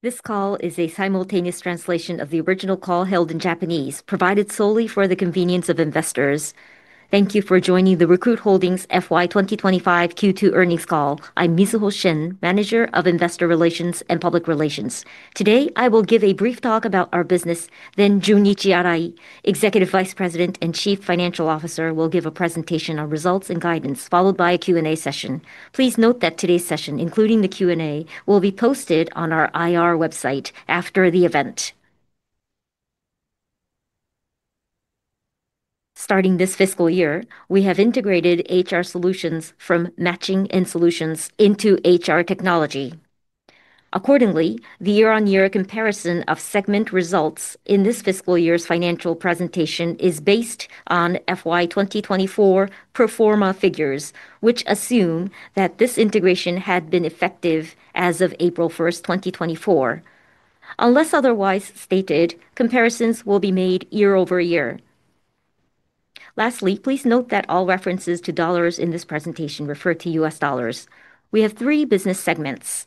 This call is a simultaneous translation of the original call held in Japanese, provided solely for the convenience of investors. Thank you for joining the Recruit Holdings FY 2025 Q2 earnings call. I'm Mizuho Shen, Manager of Investor Relations and Public Relations. Today, I will give a brief talk about our business, then Junichi Arai, Executive Vice President and Chief Financial Officer, will give a presentation on results and guidance, followed by a Q&A session. Please note that today's session, including the Q&A, will be posted on our IR website after the event. Starting this fiscal year, we have integrated HR Solutions from Matching & Solutions into HR Technology. Accordingly, the year-on-year comparison of segment results in this fiscal year's financial presentation is based on FY 2024 pro forma figures, which assume that this integration had been effective as of April 1st, 2024. Unless otherwise stated, comparisons will be made year-over-year. Lastly, please note that all references to dollars in this presentation refer to U.S. dollars. We have three business segments.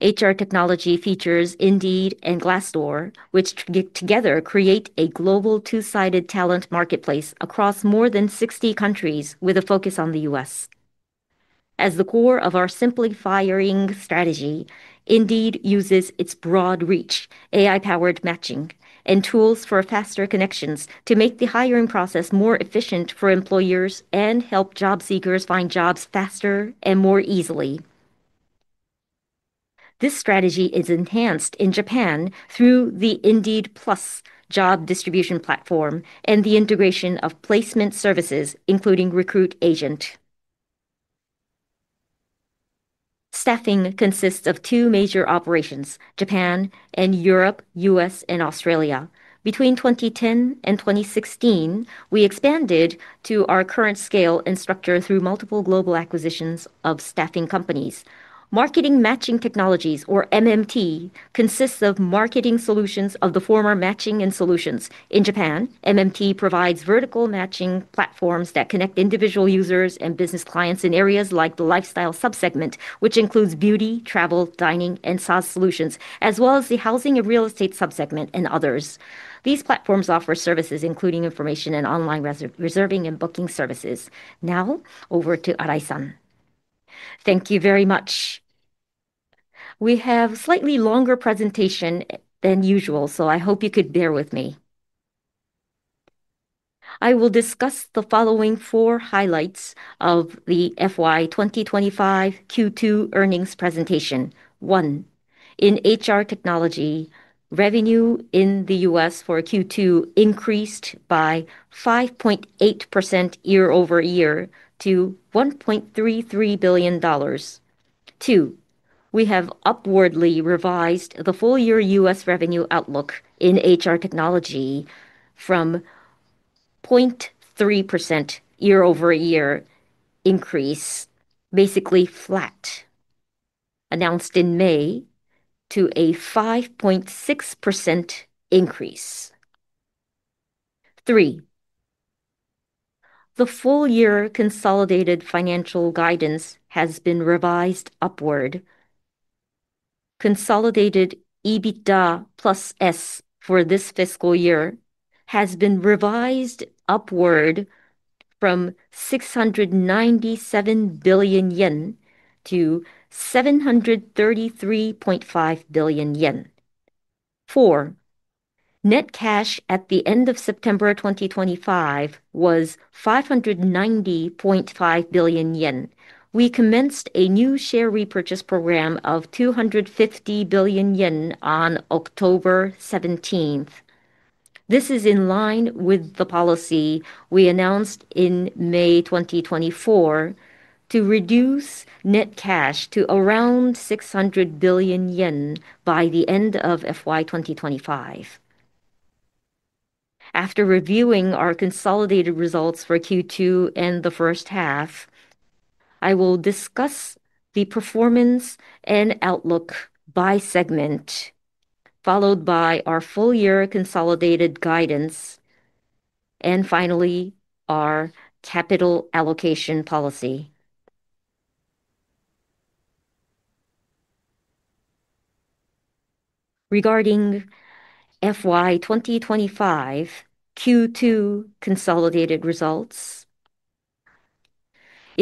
HR Technology features Indeed and Glassdoor, which together create a global two-sided talent marketplace across more than 60 countries, with a focus on the U.S. As the core of our simplifying strategy, Indeed uses its broad reach, AI-powered matching, and tools for faster connections to make the hiring process more efficient for employers and help job seekers find jobs faster and more easily. This strategy is enhanced in Japan through the Indeed PLUS job distribution platform and the integration of placement services, including Recruit Agent. Staffing consists of two major operations: Japan and Europe, U.S. and Australia. Between 2010 and 2016, we expanded to our current scale and structure through multiple global acquisitions of staffing companies. Marketing Matching Technologies, or MMT, consists of marketing solutions of the former Matching & Solutions. In Japan, MMT provides vertical matching platforms that connect individual users and business clients in areas like the lifestyle subsegment, which includes beauty, travel, dining, and SaaS solutions, as well as the housing and real estate subsegment and others. These platforms offer services including information and online reserving and booking services. Now, over to Arai-san. Thank you very much. We have a slightly longer presentation than usual, so I hope you could bear with me. I will discuss the following four highlights of the fiscal year 2025 Q2 earnings presentation. One, in HR Technology, revenue in the U.S. for Q2 increased by 5.8% year-over-year to $1.33 billion. Two, we have upwardly revised the full year U.S. revenue outlook in HR Technology from 0.3% year-over-year increase, basically flat announced in May, to a 5.6% increase. Three. The full year consolidated financial guidance has been revised upward. Consolidated EBITDA +S for this fiscal year has been revised upward from 697 billion yen to 733.5 billion yen. Four. Net cash at the end of September 2025 was 590.5 billion yen. We commenced a new share repurchase program of 250 billion yen on October 17th. This is in line with the policy we announced in May 2024 to reduce net cash to around 600 billion yen by the end of FY 2025. After reviewing our consolidated results for Q2 and the first half, I will discuss the performance and outlook by segment, followed by our full year consolidated guidance, and finally, our capital allocation policy. Regarding FY 2025 Q2 consolidated results.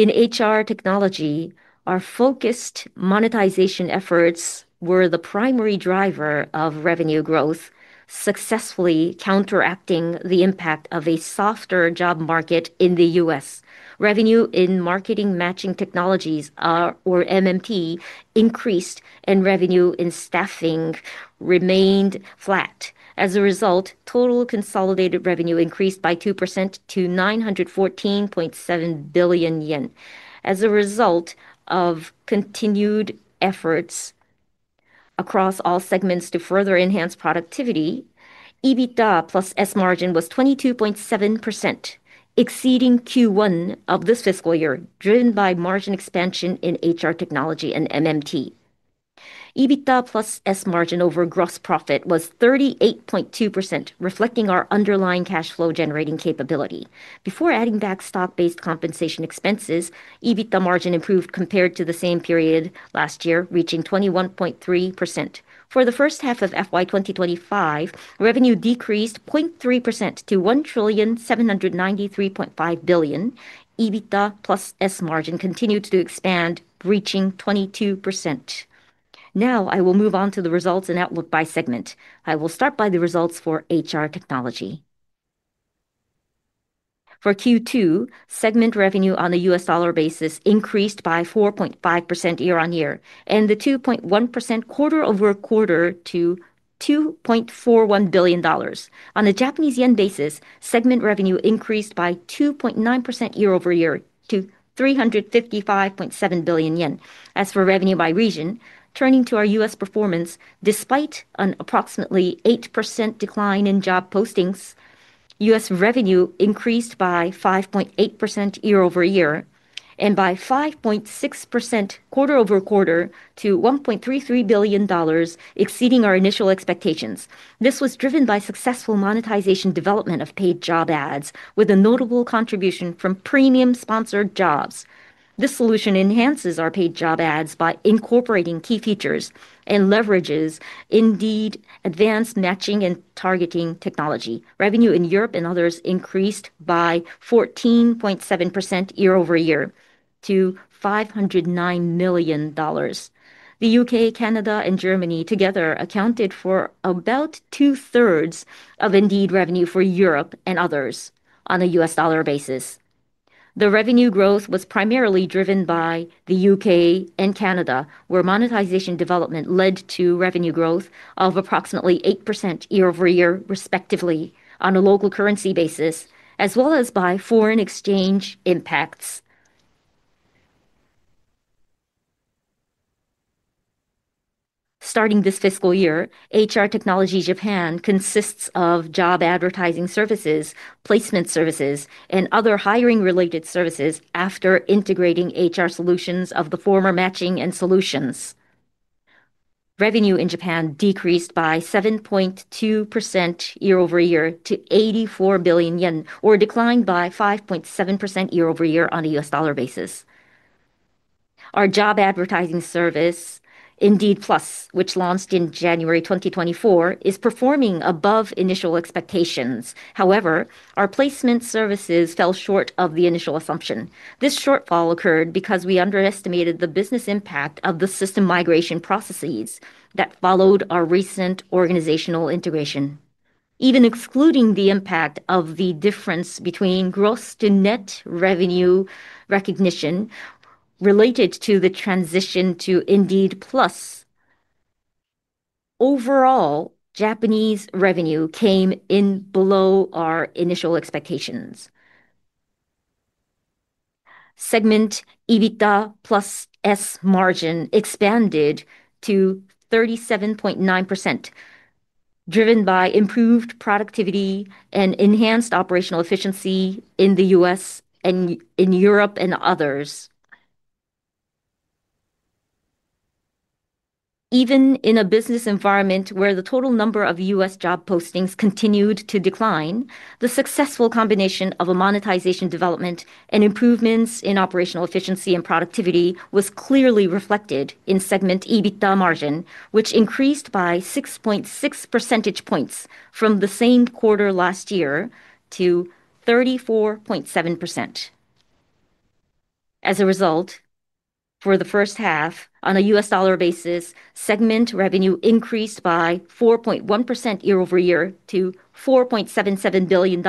In HR Technology, our focused monetization efforts were the primary driver of revenue growth, successfully counteracting the impact of a softer job market in the U.S. Revenue in Marketing Matching Technologies, or MMT, increased, and revenue in Staffing remained flat. As a result, total consolidated revenue increased by 2% to 914.7 billion yen. As a result of continued efforts across all segments to further enhance productivity, EBITDA +S margin was 22.7%, exceeding Q1 of this fiscal year, driven by margin expansion in HR Technology and MMT. EBITDA +S margin over gross profit was 38.2%, reflecting our underlying cash flow generating capability. Before adding back stock-based compensation expenses, EBITDA margin improved compared to the same period last year, reaching 21.3%. For the first half of FY 2025, revenue decreased 0.3% to 1,793,500,000,000 EBITDA +S margin continued to expand, reaching 22%. Now, I will move on to the results and outlook by segment. I will start by the results for HR Technology. For Q2, segment revenue on a U.S. dollar basis increased by 4.5% year-over-year, and 2.1% quarter-over-quarter to $2.41 billion. On a Japanese yen basis, segment revenue increased by 2.9% year-over-year to 355.7 billion yen. As for revenue by region, turning to our U.S. performance, despite an approximately 8% decline in job postings, U.S. revenue increased by 5.8% year-over-year and by 5.6% quarter-over-quarter to $1.33 billion, exceeding our initial expectations. This was driven by successful monetization development of paid job ads, with a notable contribution from Premium Sponsored Jobs. This solution enhances our paid job ads by incorporating key features and leverages Indeed advanced matching and targeting technology. Revenue in Europe and others increased by 14.7% year-over-year to $509 million. The U.K., Canada, and Germany together accounted for about 2/3 of Indeed revenue for Europe and others on a U.S. dollar basis. The revenue growth was primarily driven by the U.K. and Canada, where monetization development led to revenue growth of approximately 8% year-over-year, respectively, on a local currency basis, as well as by foreign exchange impacts. Starting this fiscal year, HR Technology Japan consists of job advertising services, placement services, and other hiring-related services after integrating HR Solutions of the former Matching & Solutions. Revenue in Japan decreased by 7.2% year-over-year to 84 billion yen, or declined by 5.7% year-over-year on a U.S. dollar basis. Our job advertising service, Indeed PLUS, which launched in January 2024, is performing above initial expectations. However, our placement services fell short of the initial assumption. This shortfall occurred because we underestimated the business impact of the system migration processes that followed our recent organizational integration. Even excluding the impact of the difference between gross to net revenue recognition related to the transition to Indeed PLUS. Overall Japanese revenue came in below our initial expectations. Segment EBITDA +S margin expanded to 37.9%, driven by improved productivity and enhanced operational efficiency in the U.S. and in Europe and others. Even in a business environment where the total number of U.S. job postings continued to decline, the successful combination of a monetization development and improvements in operational efficiency and productivity was clearly reflected in segment EBITDA margin, which increased by 6.6 percentage points from the same quarter last year to 34.7%. As a result, for the first half, on a U.S. dollar basis, segment revenue increased by 4.1% year-over-year to $4.77 billion,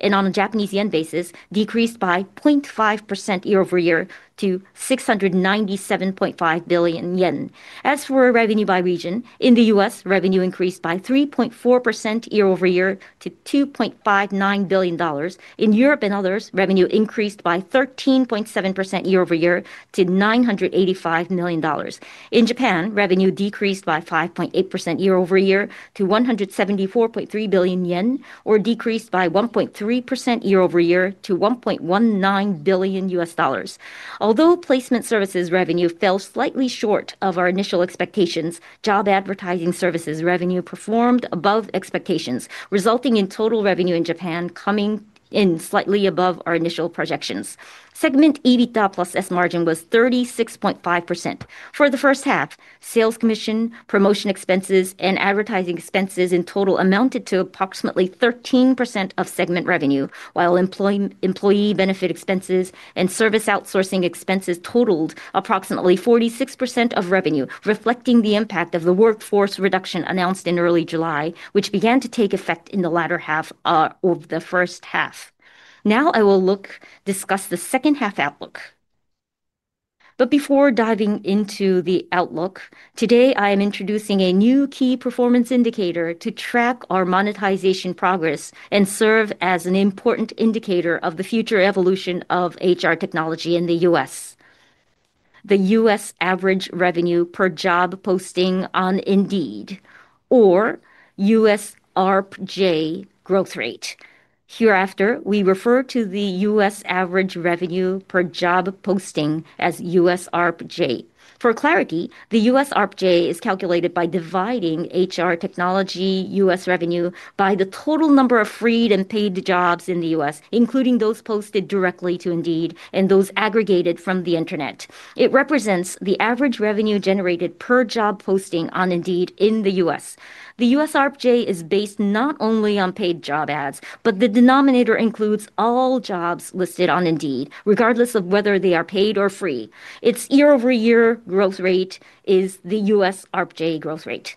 and on a Japanese yen basis, decreased by 0.5% year-over-year to 697.5 billion yen. As for revenue by region, in the U.S., revenue increased by 3.4% year-over-year to $2.59 billion. In Europe and others, revenue increased by 13.7% year-over-year to $985 million. In Japan, revenue decreased by 5.8% year-over-year to 174.3 billion yen, or decreased by 1.3% year-over-year to $1.19 billion. Although placement services revenue fell slightly short of our initial expectations, job advertising services revenue performed above expectations, resulting in total revenue in Japan coming in slightly above our initial projections. Segment EBITDA +S margin was 36.5%. For the first half, sales commission, promotion expenses, and advertising expenses in total amounted to approximately 13% of segment revenue, while employee benefit expenses and service outsourcing expenses totaled approximately 46% of revenue, reflecting the impact of the workforce reduction announced in early July, which began to take effect in the latter half of the first half. Now I will discuss the second half outlook. Before diving into the outlook, today I am introducing a new key performance indicator to track our monetization progress and serve as an important indicator of the future evolution of HR Technology in the U.S. The U.S. average revenue per job posting on Indeed, or U.S. ARPJ growth rate. Hereafter, we refer to the U.S. average revenue per job posting as U.S. ARPJ. For clarity, the U.S. ARPJ is calculated by dividing HR Technology U.S. revenue by the total number of free and paid jobs in the U.S., including those posted directly to Indeed and those aggregated from the internet. It represents the average revenue generated per job posting on Indeed in the U.S. The U.S. ARPJ is based not only on paid job ads, but the denominator includes all jobs listed on Indeed, regardless of whether they are paid or free. Its year-over-year growth rate is the U.S. ARPJ growth rate.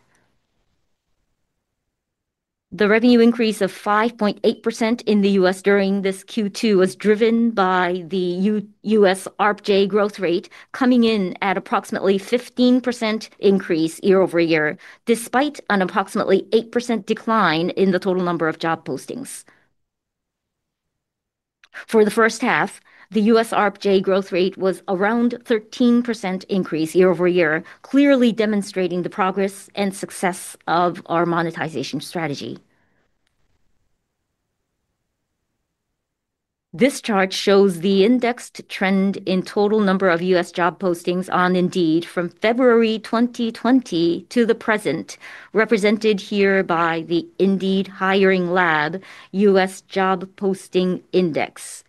The revenue increase of 5.8% in the U.S. during this Q2 was driven by the U.S. ARPJ growth rate coming in at approximately 15% increase year-over-year, despite an approximately 8% decline in the total number of job postings. For the first half, the U.S. ARPJ growth rate was around 13% increase year-over-year, clearly demonstrating the progress and success of our monetization strategy. This chart shows the indexed trend in total number of U.S. job postings on Indeed from February 2020 to the present, represented here by the Indeed Hiring Lab U.S. job posting index.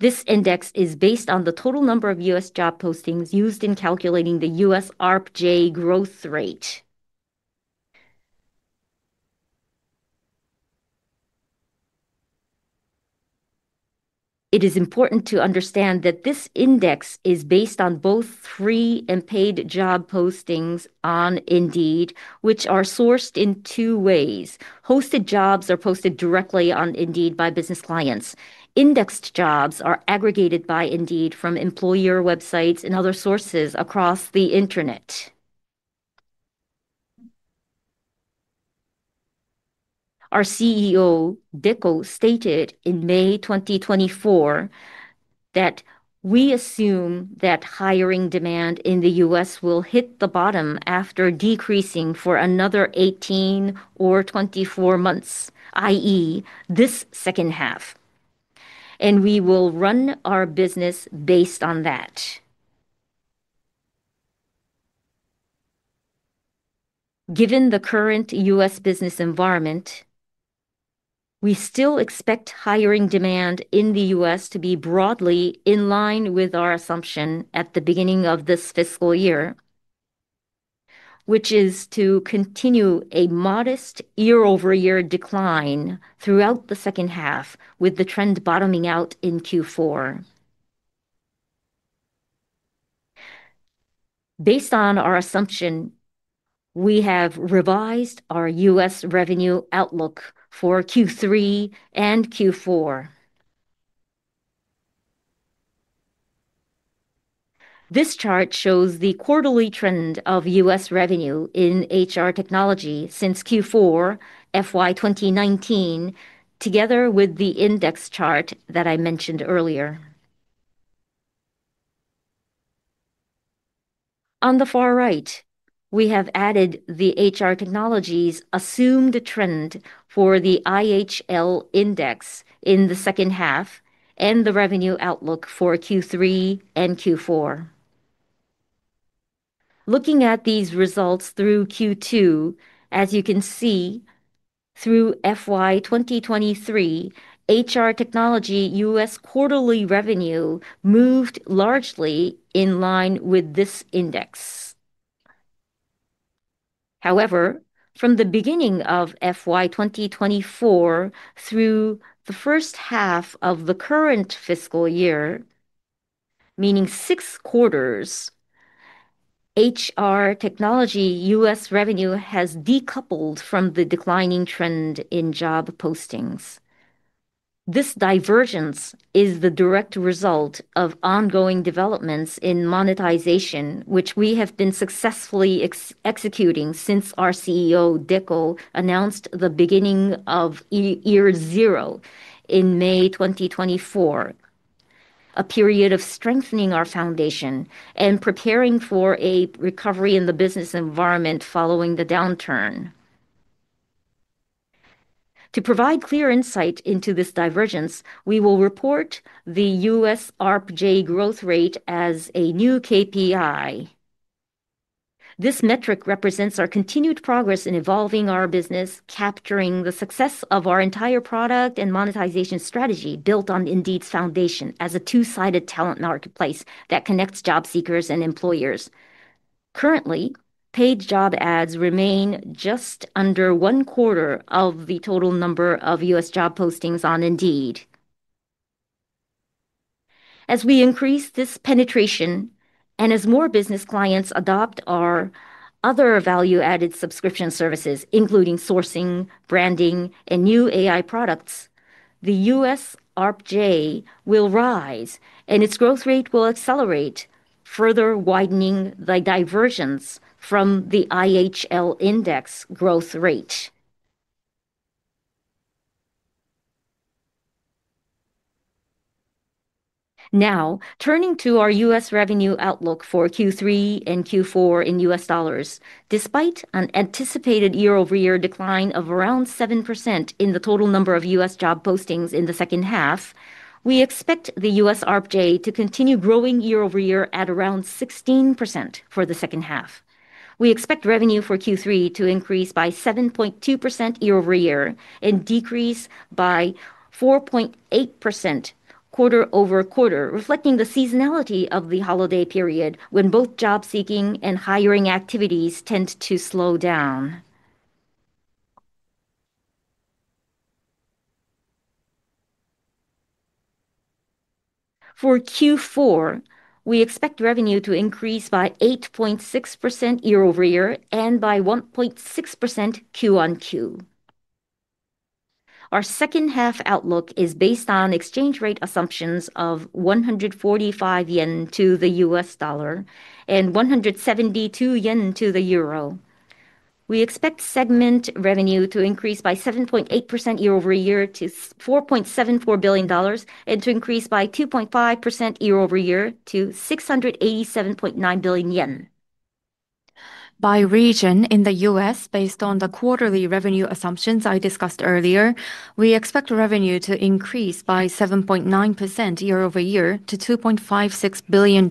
This index is based on the total number of U.S. job postings used in calculating the U.S. ARPJ growth rate. It is important to understand that this index is based on both free and paid job postings on Indeed, which are sourced in two ways. Hosted jobs are posted directly on Indeed by business clients. Indexed jobs are aggregated by Indeed from employer websites and other sources across the internet. Our CEO, Deko, stated in May 2024 that we assume that hiring demand in the U.S. will hit the bottom after decreasing for another 18 or 24 months, i.e., this second half, and we will run our business based on that. Given the current U.S. business environment, we still expect hiring demand in the U.S. to be broadly in line with our assumption at the beginning of this fiscal year, which is to continue a modest year-over-year decline throughout the second half, with the trend bottoming out in Q4. Based on our assumption, we have revised our U.S. revenue outlook for Q3 and Q4. This chart shows the quarterly trend of U.S. revenue in HR Technology since Q4 FY 2019, together with the index chart that I mentioned earlier. On the far right, we have added HR Technology's assumed trend for the IHL index in the second half and the revenue outlook for Q3 and Q4. Looking at these results through Q2, as you can see. Through FY 2023, HR Technology U.S. quarterly revenue moved largely in line with this index. However, from the beginning of FY 2024 through the first half of the current fiscal year, meaning six quarters, HR Technology U.S. revenue has decoupled from the declining trend in job postings. This divergence is the direct result of ongoing developments in monetization, which we have been successfully executing since our CEO, Deko, announced the beginning of year zero in May 2024, a period of strengthening our foundation and preparing for a recovery in the business environment following the downturn. To provide clear insight into this divergence, we will report the U.S. ARPJ growth rate as a new KPI. This metric represents our continued progress in evolving our business, capturing the success of our entire product and monetization strategy built on Indeed's foundation as a two-sided talent marketplace that connects job seekers and employers. Currently, paid job ads remain just under 1/4 of the total number of U.S. job postings on Indeed. As we increase this penetration and as more business clients adopt our other value-added subscription services, including sourcing, branding, and new AI products, the U.S. ARPJ will rise, and its growth rate will accelerate, further widening the divergence from the IHL index growth rate. Now, turning to our U.S. revenue outlook for Q3 and Q4 in U.S. dollars. Despite an anticipated year-over-year decline of around 7% in the total number of U.S. job postings in the second half, we expect the U.S. ARPJ to continue growing year-over-year at around 16% for the second half. We expect revenue for Q3 to increase by 7.2% year-over-year and decrease by 4.8% quarter-over-quarter, reflecting the seasonality of the holiday period when both job seeking and hiring activities tend to slow down. For Q4, we expect revenue to increase by 8.6% year-over-year and by 1.6% Q-on-Q. Our second half outlook is based on exchange rate assumptions of 145 yen to the U.S. dollar and 172 yen to the euro. We expect segment revenue to increase by 7.8% year-over-year to $4.74 billion and to increase by 2.5% year-over-year to 687.9 billion yen. By region in the U.S., based on the quarterly revenue assumptions I discussed earlier, we expect revenue to increase by 7.9% year-over-year to $2.56 billion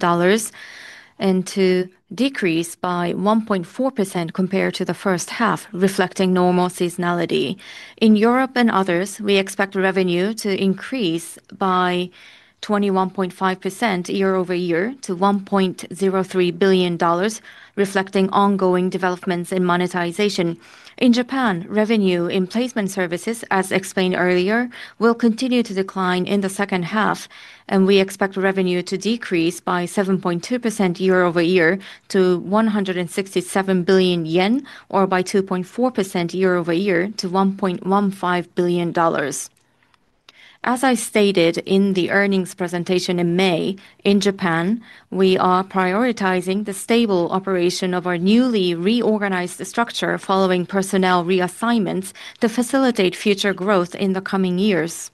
and to decrease by 1.4% compared to the first half, reflecting normal seasonality. In Europe and others, we expect revenue to increase by 21.5% year-over-year to $1.03 billion, reflecting ongoing developments in monetization. In Japan, revenue in placement services, as explained earlier, will continue to decline in the second half, and we expect revenue to decrease by 7.2% year-over-year to 167 billion yen, or by 2.4% year-over-year to $1.15 billion. As I stated in the earnings presentation in May, in Japan, we are prioritizing the stable operation of our newly reorganized structure following personnel reassignments to facilitate future growth in the coming years.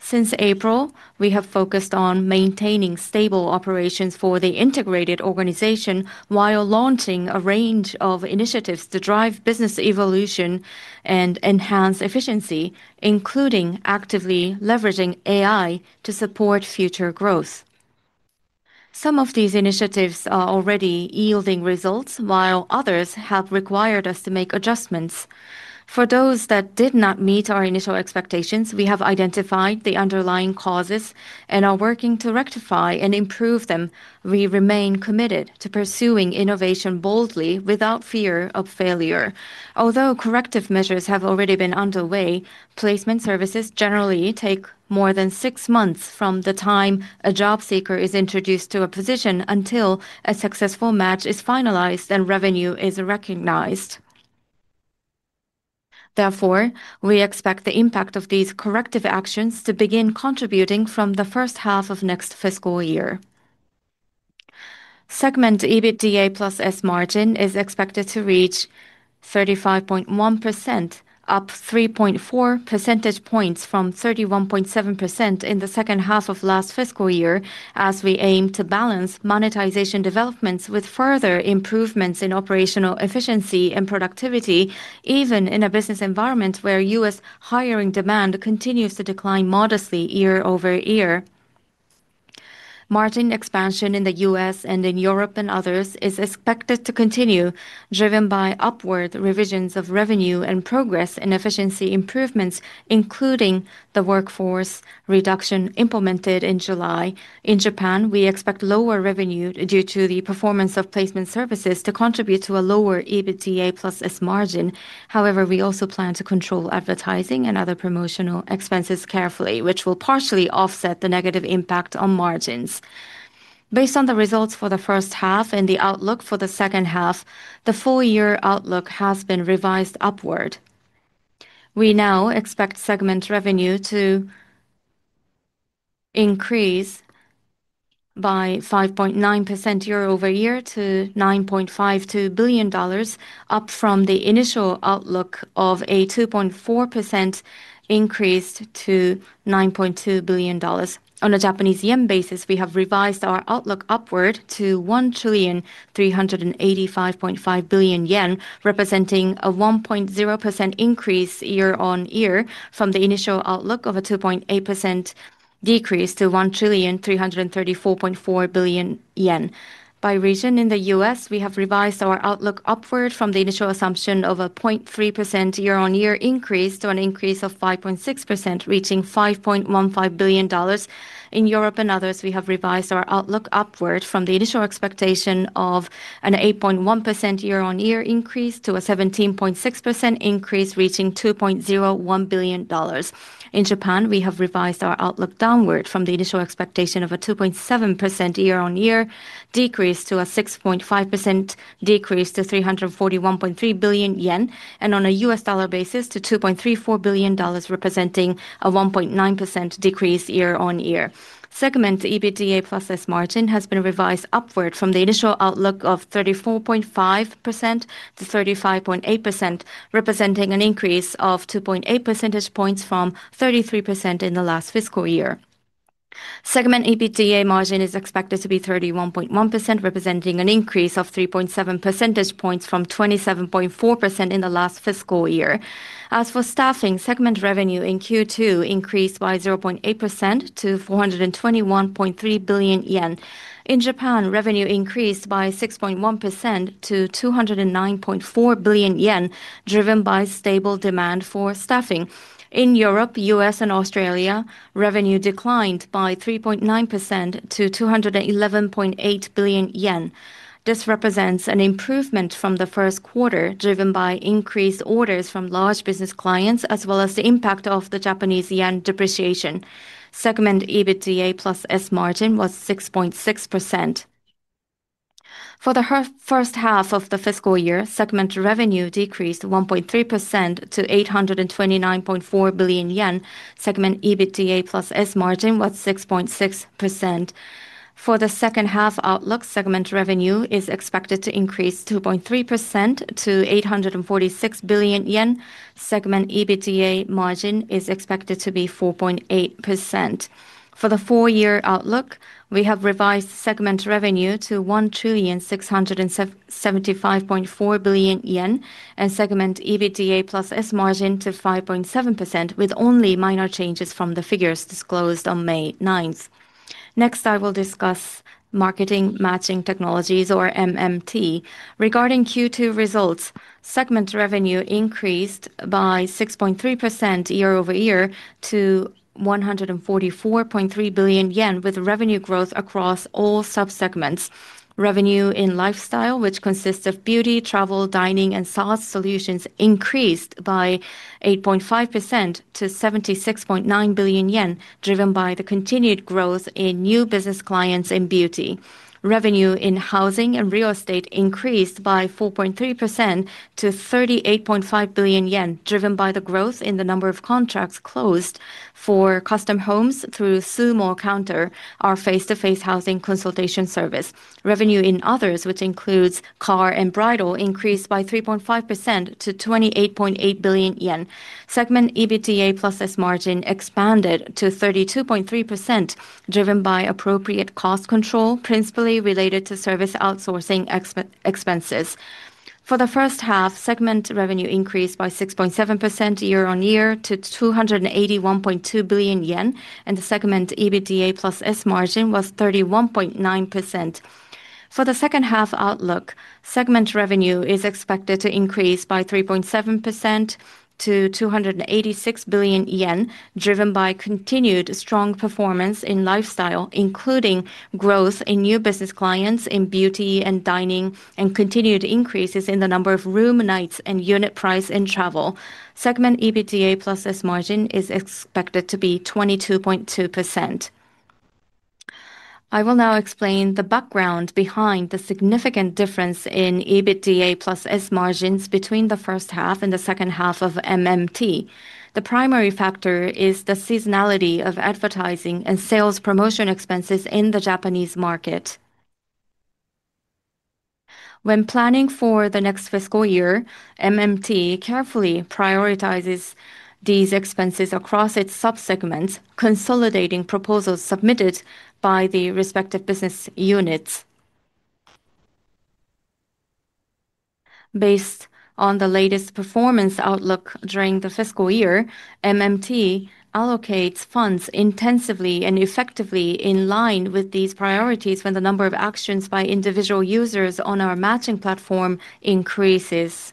Since April, we have focused on maintaining stable operations for the integrated organization while launching a range of initiatives to drive business evolution and enhance efficiency, including actively leveraging AI to support future growth. Some of these initiatives are already yielding results, while others have required us to make adjustments. For those that did not meet our initial expectations, we have identified the underlying causes and are working to rectify and improve them. We remain committed to pursuing innovation boldly without fear of failure. Although corrective measures have already been underway, placement services generally take more than six months from the time a job seeker is introduced to a position until a successful match is finalized and revenue is recognized. Therefore, we expect the impact of these corrective actions to begin contributing from the first half of next fiscal year. Segment EBITDA +S margin is expected to reach 35.1%, up 3.4 percentage points from 31.7% in the second half of last fiscal year, as we aim to balance monetization developments with further improvements in operational efficiency and productivity, even in a business environment where U.S. hiring demand continues to decline modestly year-over-year. Margin expansion in the U.S. and in Europe and others is expected to continue, driven by upward revisions of revenue and progress in efficiency improvements, including the workforce reduction implemented in July. In Japan, we expect lower revenue due to the performance of placement services to contribute to a lower EBITDA +S margin. However, we also plan to control advertising and other promotional expenses carefully, which will partially offset the negative impact on margins. Based on the results for the first half and the outlook for the second half, the four-year outlook has been revised upward. We now expect segment revenue to increase by 5.9% year-over-year to $9.52 billion, up from the initial outlook of a 2.4% increase to $9.2 billion. On a Japanese yen basis, we have revised our outlook upward to 1,385,500,000,000 yen, representing a 1.0% increase year-on-year from the initial outlook of a 2.8% decrease to 1,334,400,000,000 yen. By region in the U.S., we have revised our outlook upward from the initial assumption of a 0.3% year-on-year increase to an increase of 5.6%, reaching $5.15 billion. In Europe and others, we have revised our outlook upward from the initial expectation of an 8.1% year-on-year increase to a 17.6% increase, reaching $2.01 billion. In Japan, we have revised our outlook downward from the initial expectation of a 2.7% year-on-year decrease to a 6.5% decrease to 341.3 billion yen, and on a U.S. dollar basis to $2.34 billion, representing a 1.9% decrease year-on-year. Segment EBITDA +S margin has been revised upward from the initial outlook of 34.5%-35.8%, representing an increase of 2.8 percentage points from 33% in the last fiscal year. Segment EBITDA margin is expected to be 31.1%, representing an increase of 3.7 percentage points from 27.4% in the last fiscal year. As for Staffing, segment revenue in Q2 increased by 0.8% to 421.3 billion yen. In Japan, revenue increased by 6.1% to 209.4 billion yen, driven by stable demand for Staffing. In Europe, U.S., and Australia, revenue declined by 3.9% to 211.8 billion yen. This represents an improvement from the first quarter, driven by increased orders from large business clients, as well as the impact of the Japanese yen depreciation. Segment EBITDA +S margin was 6.6%. For the first half of the fiscal year, segment revenue decreased 1.3% to 829.4 billion yen. Segment EBITDA +S margin was 6.6%. For the second half outlook, segment revenue is expected to increase 2.3% to 846 billion yen. Segment EBITDA margin is expected to be 4.8%. For the four-year outlook, we have revised segment revenue to 1,675,400,000,000 yen and segment EBITDA +S margin to 5.7%, with only minor changes from the figures disclosed on May 9th. Next, I will discuss Marketing Matching Technologies, or MMT. Regarding Q2 results, segment revenue increased by 6.3% year-over-year to 144.3 billion yen, with revenue growth across all subsegments. Revenue in lifestyle, which consists of beauty, travel, dining, and sales solutions, increased by 8.5% to 76.9 billion yen, driven by the continued growth in new business clients in beauty. Revenue in housing and real estate increased by 4.3% to 38.5 billion yen, driven by the growth in the number of contracts closed for custom homes through SUUMO Counter, our face-to-face housing consultation service. Revenue in others, which includes car and bridal, increased by 3.5% to 28.8 billion yen. Segment EBITDA +S margin expanded to 32.3%, driven by appropriate cost control, principally related to service outsourcing expenses. For the first half, segment revenue increased by 6.7% year-on-year to 281.2 billion yen, and the segment EBITDA +S margin was 31.9%. For the second half outlook, segment revenue is expected to increase by 3.7% to 286 billion yen, driven by continued strong performance in lifestyle, including growth in new business clients in beauty and dining, and continued increases in the number of room nights and unit price in travel. Segment EBITDA +S margin is expected to be 22.2%. I will now explain the background behind the significant difference in EBITDA +S margins between the first half and the second half of MMT. The primary factor is the seasonality of advertising and sales promotion expenses in the Japanese market. When planning for the next fiscal year, MMT carefully prioritizes these expenses across its subsegments, consolidating proposals submitted by the respective business units. Based on the latest performance outlook during the fiscal year, MMT allocates funds intensively and effectively in line with these priorities when the number of actions by individual users on our matching platform increases.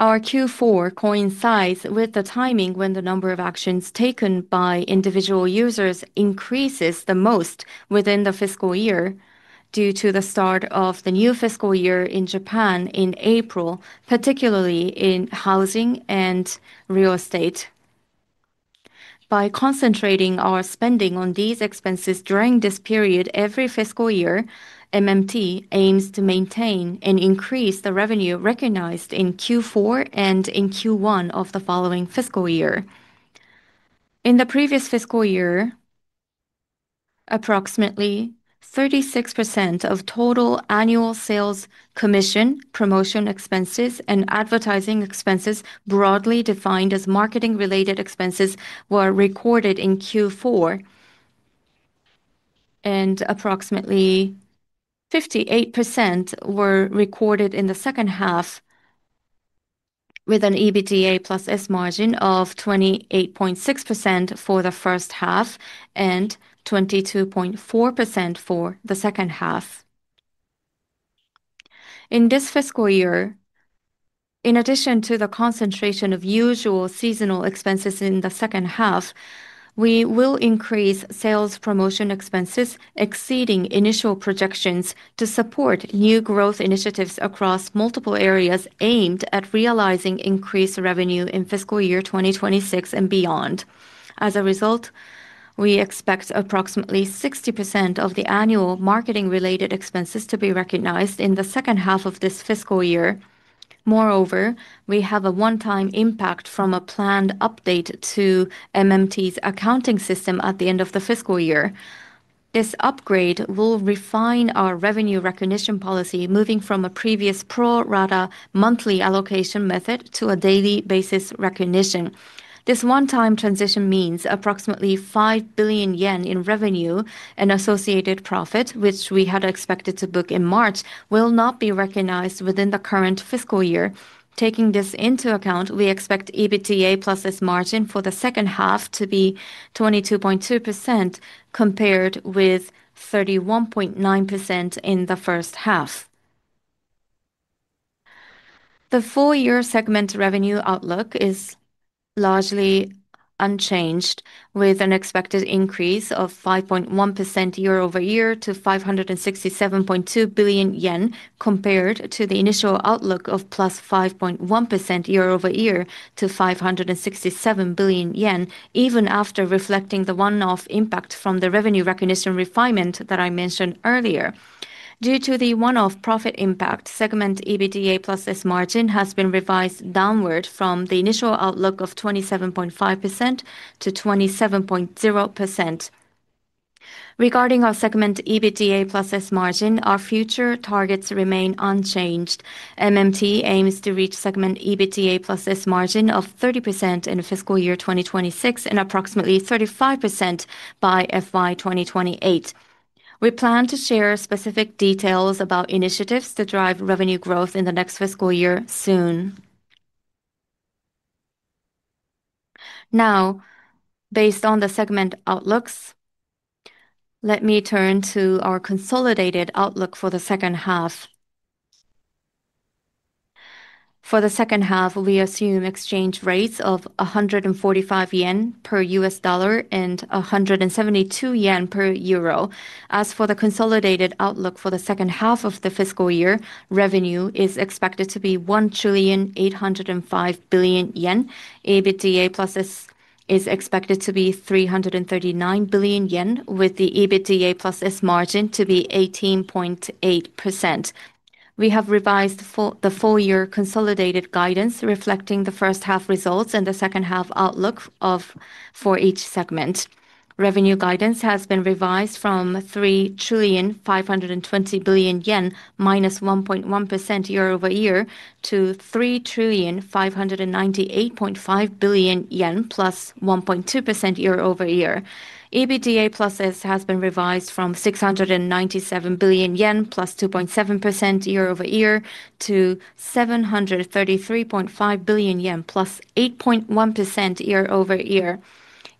Our Q4 coincides with the timing when the number of actions taken by individual users increases the most within the fiscal year, due to the start of the new fiscal year in Japan in April, particularly in housing and real estate. By concentrating our spending on these expenses during this period every fiscal year, MMT aims to maintain and increase the revenue recognized in Q4 and in Q1 of the following fiscal year. In the previous fiscal year. Approximately 36% of total annual sales commission, promotion expenses, and advertising expenses, broadly defined as marketing-related expenses, were recorded in Q4. Approximately 58% were recorded in the second half. With an EBITDA +S margin of 28.6% for the first half and 22.4% for the second half in this fiscal year. In addition to the concentration of usual seasonal expenses in the second half, we will increase sales promotion expenses exceeding initial projections to support new growth initiatives across multiple areas aimed at realizing increased revenue in fiscal year 2026 and beyond. As a result, we expect approximately 60% of the annual marketing-related expenses to be recognized in the second half of this fiscal year. Moreover, we have a one-time impact from a planned update to MMT's accounting system at the end of the fiscal year. This upgrade will refine our revenue recognition policy, moving from a previous pro-rata monthly allocation method to a daily basis recognition. This one-time transition means approximately 5 billion yen in revenue and associated profit, which we had expected to book in March, will not be recognized within the current fiscal year. Taking this into account, we expect EBITDA +S margin for the second half to be 22.2% compared with 31.9% in the first half. The full-year segment revenue outlook is largely unchanged, with an expected increase of 5.1% year-over-year to 567.2 billion yen, compared to the initial outlook of +5.1% year-over-year to 567 billion yen, even after reflecting the one-off impact from the revenue recognition refinement that I mentioned earlier. Due to the one-off profit impact, segment EBITDA +S margin has been revised downward from the initial outlook of 27.5%-27.0%. Regarding our segment EBITDA +S margin, our future targets remain unchanged. MMT aims to reach segment EBITDA +S margin of 30% in fiscal year 2026 and approximately 35% by fiscal year 2028. We plan to share specific details about initiatives to drive revenue growth in the next fiscal year soon. Now, based on the segment outlooks, let me turn to our consolidated outlook for the second half. For the second half, we assume exchange rates of 145 yen per U.S. dollar and 172 yen per euro. As for the consolidated outlook for the second half of the fiscal year, revenue is expected to be 1,805,000,000,000 yen. EBITDA +S is expected to be 339 billion yen, with the EBITDA +S margin to be 18.8%. We have revised the full-year consolidated guidance, reflecting the first half results and the second half outlook for each segment. Revenue guidance has been revised from 3,520,000,000,000 yen, -1.1% year-over-year, to 3,598,500,000,000 yen, +1.2% year-over-year. EBITDA +S has been revised from 697 billion yen, +2.7% year-over-year, to 733.5 billion yen, +8.1% year-over-year.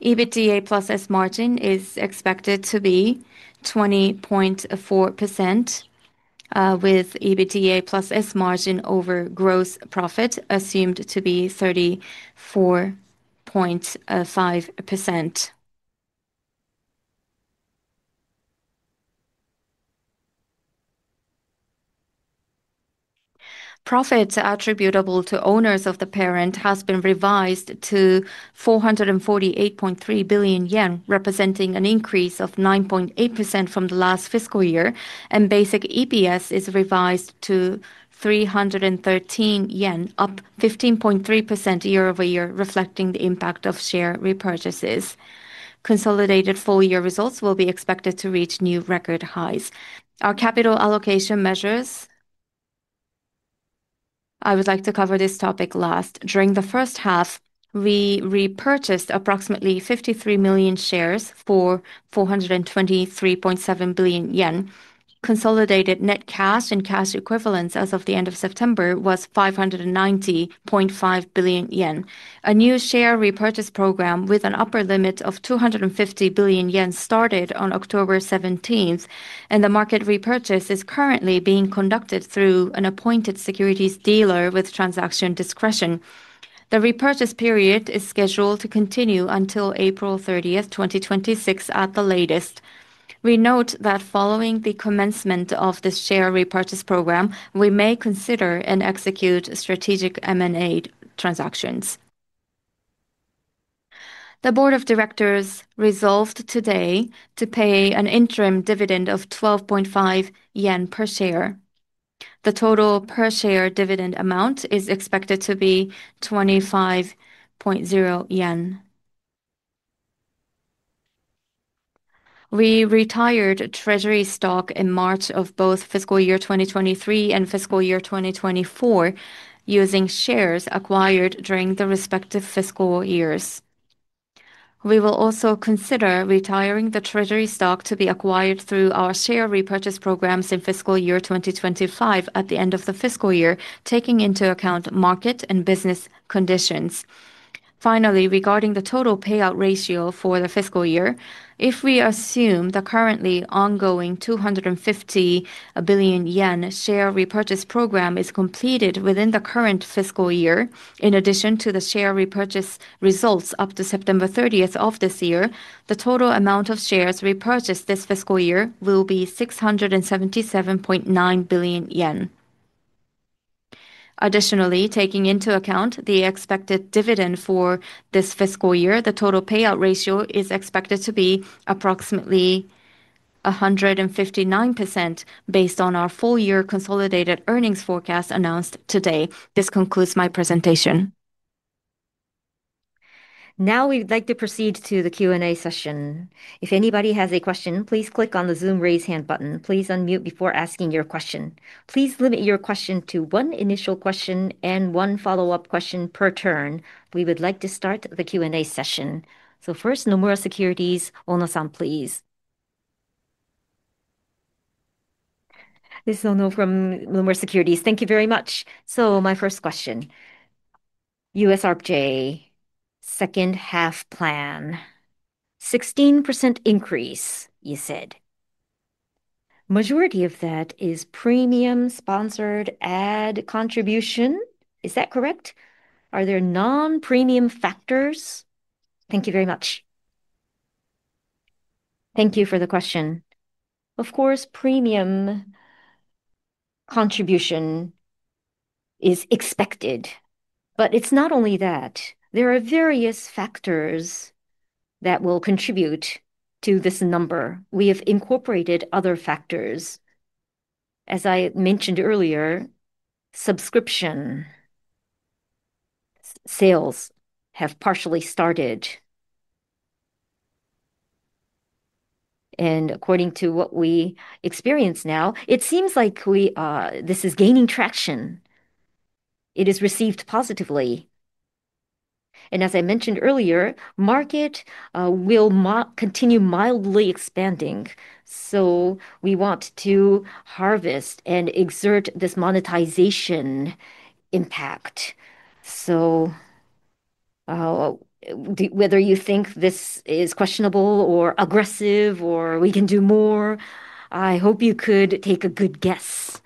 EBITDA +S margin is expected to be 20.4%, with EBITDA +S margin over gross profit assumed to be 34.5%. Profit attributable to owners of the parent has been revised to 448.3 billion yen, representing an increase of 9.8% from the last fiscal year, and basic EPS is revised to 313 yen, up 15.3% year-over-year, reflecting the impact of share repurchases. Consolidated full-year results will be expected to reach new record highs. Our capital allocation measures, I would like to cover this topic last. During the first half, we repurchased approximately 53 million shares for 423.7 billion yen. Consolidated net cash and cash equivalents as of the end of September was 590.5 billion yen. A new share repurchase program with an upper limit of 250 billion yen started on October 17th, and the market repurchase is currently being conducted through an appointed securities dealer with transaction discretion. The repurchase period is scheduled to continue until April 30th, 2026 at the latest. We note that following the commencement of the share repurchase program, we may consider and execute strategic M&A transactions. The Board of Directors resolved today to pay an interim dividend of 12.50 yen per share. The total per share dividend amount is expected to be 25.00 yen. We retired treasury stock in March of both fiscal year 2023 and fiscal year 2024 using shares acquired during the respective fiscal years. We will also consider retiring the treasury stock to be acquired through our share repurchase programs in fiscal year 2025 at the end of the fiscal year, taking into account market and business conditions. Finally, regarding the total payout ratio for the fiscal year, if we assume the currently ongoing 250 billion yen share repurchase program is completed within the current fiscal year, in addition to the share repurchase results up to September 30th of this year, the total amount of shares repurchased this fiscal year will be 677.9 billion yen. Additionally, taking into account the expected dividend for this fiscal year, the total payout ratio is expected to be approximately 159% based on our full-year consolidated earnings forecast announced today. This concludes my presentation. Now we'd like to proceed to the Q&A session. If anybody has a question, please click on the Zoom raise hand button. Please unmute before asking your question. Please limit your question to one initial question and one follow-up question per turn. We would like to start the Q&A session. First, Nomura Securities, Ono-san, please. This is Ono from Nomura Securities. Thank you very much. My first question. U.S. ARPJ second half plan. 16% increase, you said. Majority of that is premium sponsored ad contribution. Is that correct? Are there non-premium factors? Thank you very much. Thank you for the question. Of course, premium contribution is expected, but it is not only that. There are various factors that will contribute to this number. We have incorporated other factors. As I mentioned earlier, subscription sales have partially started. According to what we experience now, it seems like this is gaining traction. It is received positively. As I mentioned earlier, market will continue mildly expanding. We want to harvest and exert this monetization impact. Whether you think this is questionable or aggressive or we can do more, I hope you could take a good guess.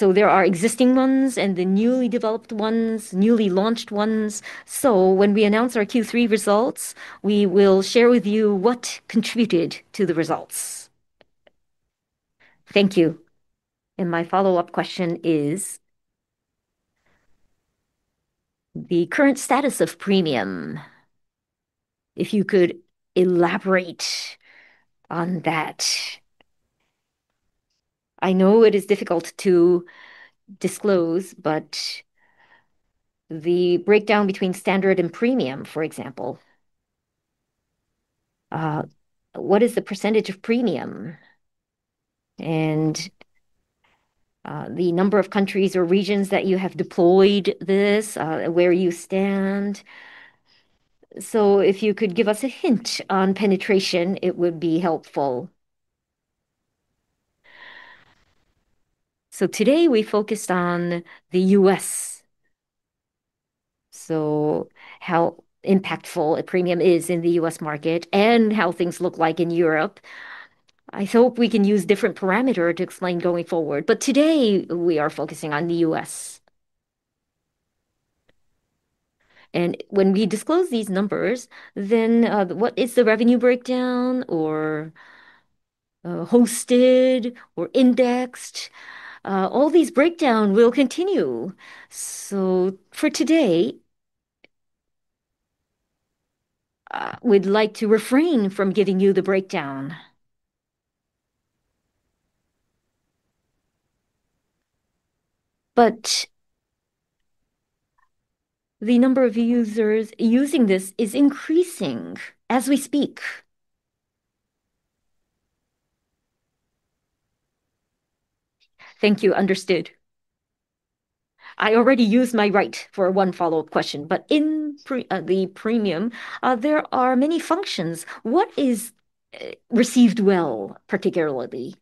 There are existing ones and the newly developed ones, newly launched ones. When we announce our Q3 results, we will share with you what contributed to the results. Thank you. My follow-up question is the current status of premium. If you could elaborate on that. I know it is difficult to disclose, but the breakdown between standard and premium, for example. What is the percentage of premium? The number of countries or regions that you have deployed this, where you stand. If you could give us a hint on penetration, it would be helpful. Today we focused on the U.S., how impactful a premium is in the U.S. market, and how things look like in Europe. I hope we can use a different parameter to explain going forward. Today we are focusing on the U.S. When we disclose these numbers, what is the revenue breakdown or hosted or indexed? All these breakdown will continue. For today, we'd like to refrain from giving you the breakdown. The number of users using this is increasing as we speak. Thank you. Understood. I already used my right for one follow-up question, but in the premium, there are many functions. What is received well, particularly?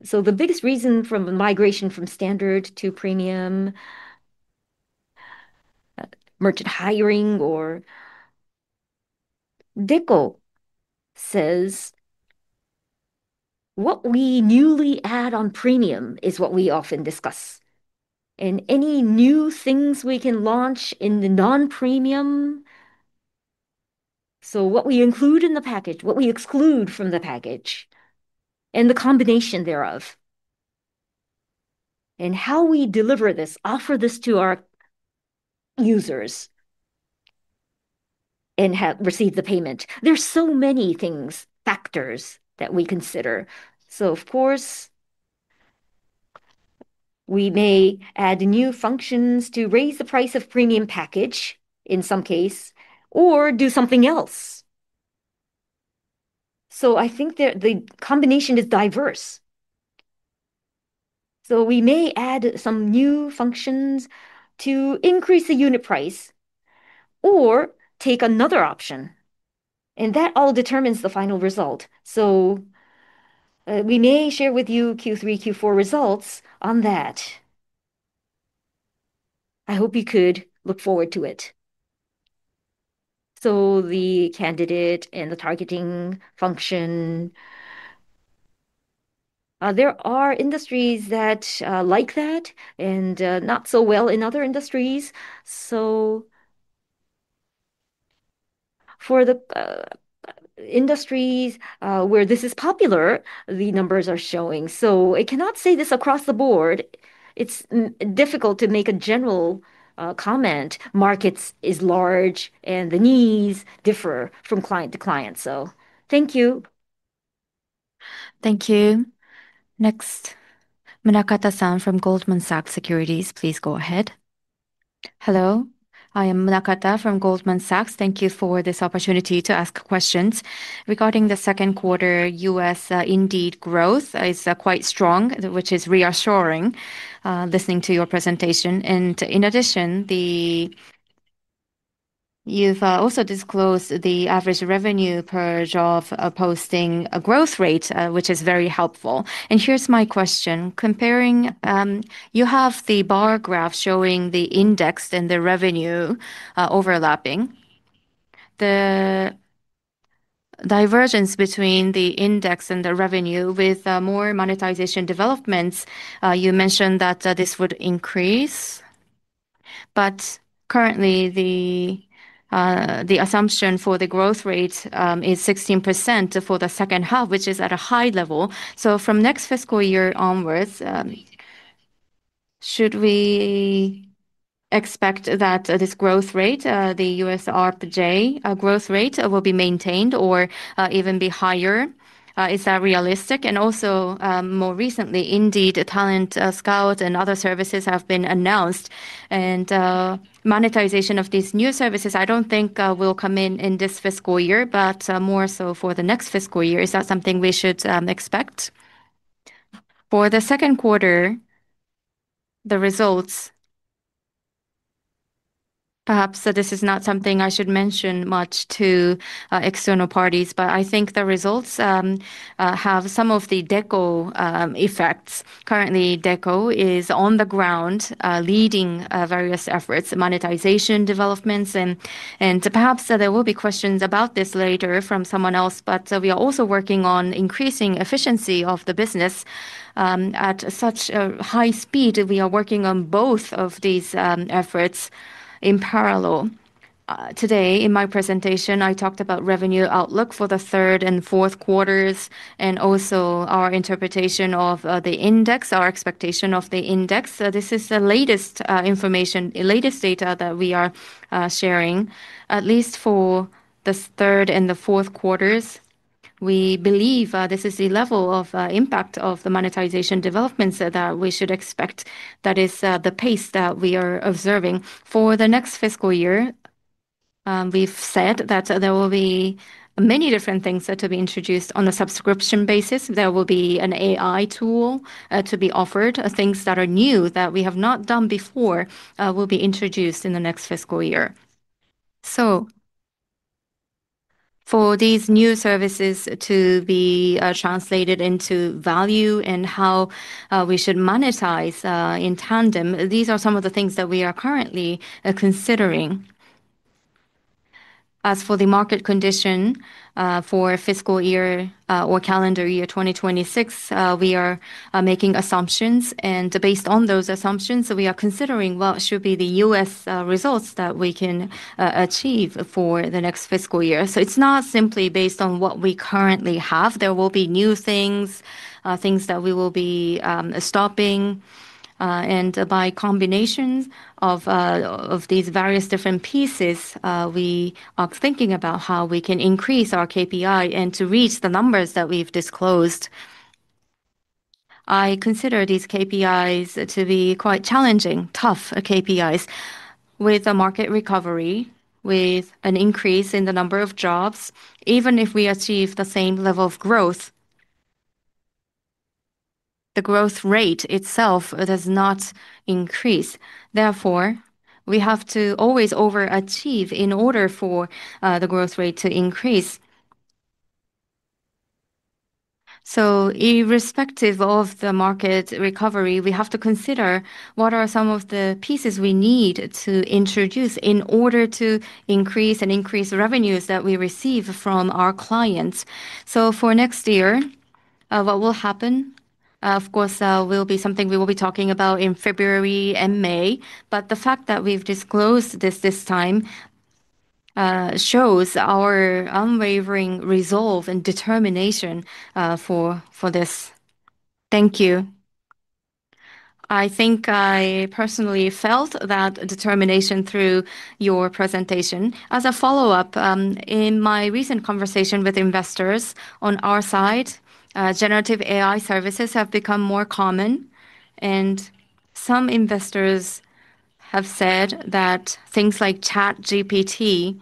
The biggest reason for migration from standard to premium, merchant hiring, Deko says, what we newly add on premium is what we often discuss. Any new things we can launch in the non-premium, what we include in the package, what we exclude from the package. The combination thereof and how we deliver this, offer this to our users, and have received the payment, there are so many things, factors that we consider. Of course, we may add new functions to raise the price of premium package in some case, or do something else. I think the combination is diverse. We may add some new functions to increase the unit price or take another option, and that all determines the final result. We may share with you Q3, Q4 results on that. I hope you could look forward to it. The candidate and the targeting function, there are industries that like that and not so well in other industries. For the industries where this is popular, the numbers are showing. I cannot say this across the board. It's difficult to make a general comment. Markets are large and the needs differ from client to client. Thank you. Thank you. Next, Manakata-san from Goldman Sachs Securities. Please go ahead. Hello. I am Manakata from Goldman Sachs. Thank you for this opportunity to ask questions. Regarding the second quarter, U.S. Indeed growth is quite strong, which is reassuring listening to your presentation. In addition, you have also disclosed the average revenue per job posting growth rate, which is very helpful. Here is my question. Comparing, you have the bar graph showing the index and the revenue overlapping. The divergence between the index and the revenue with more monetization developments, you mentioned that this would increase. Currently, the assumption for the growth rate is 16% for the second half, which is at a high level. From next fiscal year onwards, should we. Expect that this growth rate, the U.S. ARPJ growth rate, will be maintained or even be higher? Is that realistic? Also, more recently, Indeed Talent Scout and other services have been announced. Monetization of these new services, I do not think will come in this fiscal year, but more so for the next fiscal year. Is that something we should expect? For the second quarter, the results, perhaps this is not something I should mention much to external parties, but I think the results have some of the Deko effects. Currently, Deko is on the ground leading various efforts, monetization developments, and perhaps there will be questions about this later from someone else. We are also working on increasing efficiency of the business. At such a high speed, we are working on both of these efforts in parallel. Today, in my presentation, I talked about revenue outlook for the third and fourth quarters, and also our interpretation of the index, our expectation of the index. This is the latest information, latest data that we are sharing. At least for the third and the fourth quarters, we believe this is the level of impact of the monetization developments that we should expect. That is the pace that we are observing. For the next fiscal year, we've said that there will be many different things to be introduced on a subscription basis. There will be an AI tool to be offered. Things that are new that we have not done before will be introduced in the next fiscal year. For these new services to be translated into value and how we should monetize in tandem, these are some of the things that we are currently considering. As for the market condition for fiscal year or calendar year 2026, we are making assumptions, and based on those assumptions, we are considering what should be the U.S. results that we can achieve for the next fiscal year. It is not simply based on what we currently have. There will be new things, things that we will be stopping. By combination of these various different pieces, we are thinking about how we can increase our KPI and to reach the numbers that we have disclosed. I consider these KPIs to be quite challenging, tough KPIs with a market recovery, with an increase in the number of jobs. Even if we achieve the same level of growth, the growth rate itself does not increase. Therefore, we have to always overachieve in order for the growth rate to increase. Irrespective of the market recovery, we have to consider what are some of the pieces we need to introduce in order to increase and increase revenues that we receive from our clients. For next year, what will happen will be something we will be talking about in February and May. The fact that we have disclosed this this time shows our unwavering resolve and determination for this. Thank you. I think I personally felt that determination through your presentation. As a follow-up, in my recent conversation with investors on our side, generative AI services have become more common. Some investors have said that things like ChatGPT,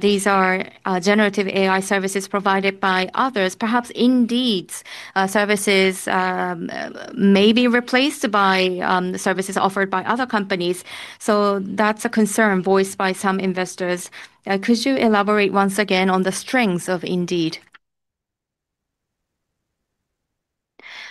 these are generative AI services provided by others. Perhaps Indeed services may be replaced by services offered by other companies. That is a concern voiced by some investors. Could you elaborate once again on the strengths of Indeed?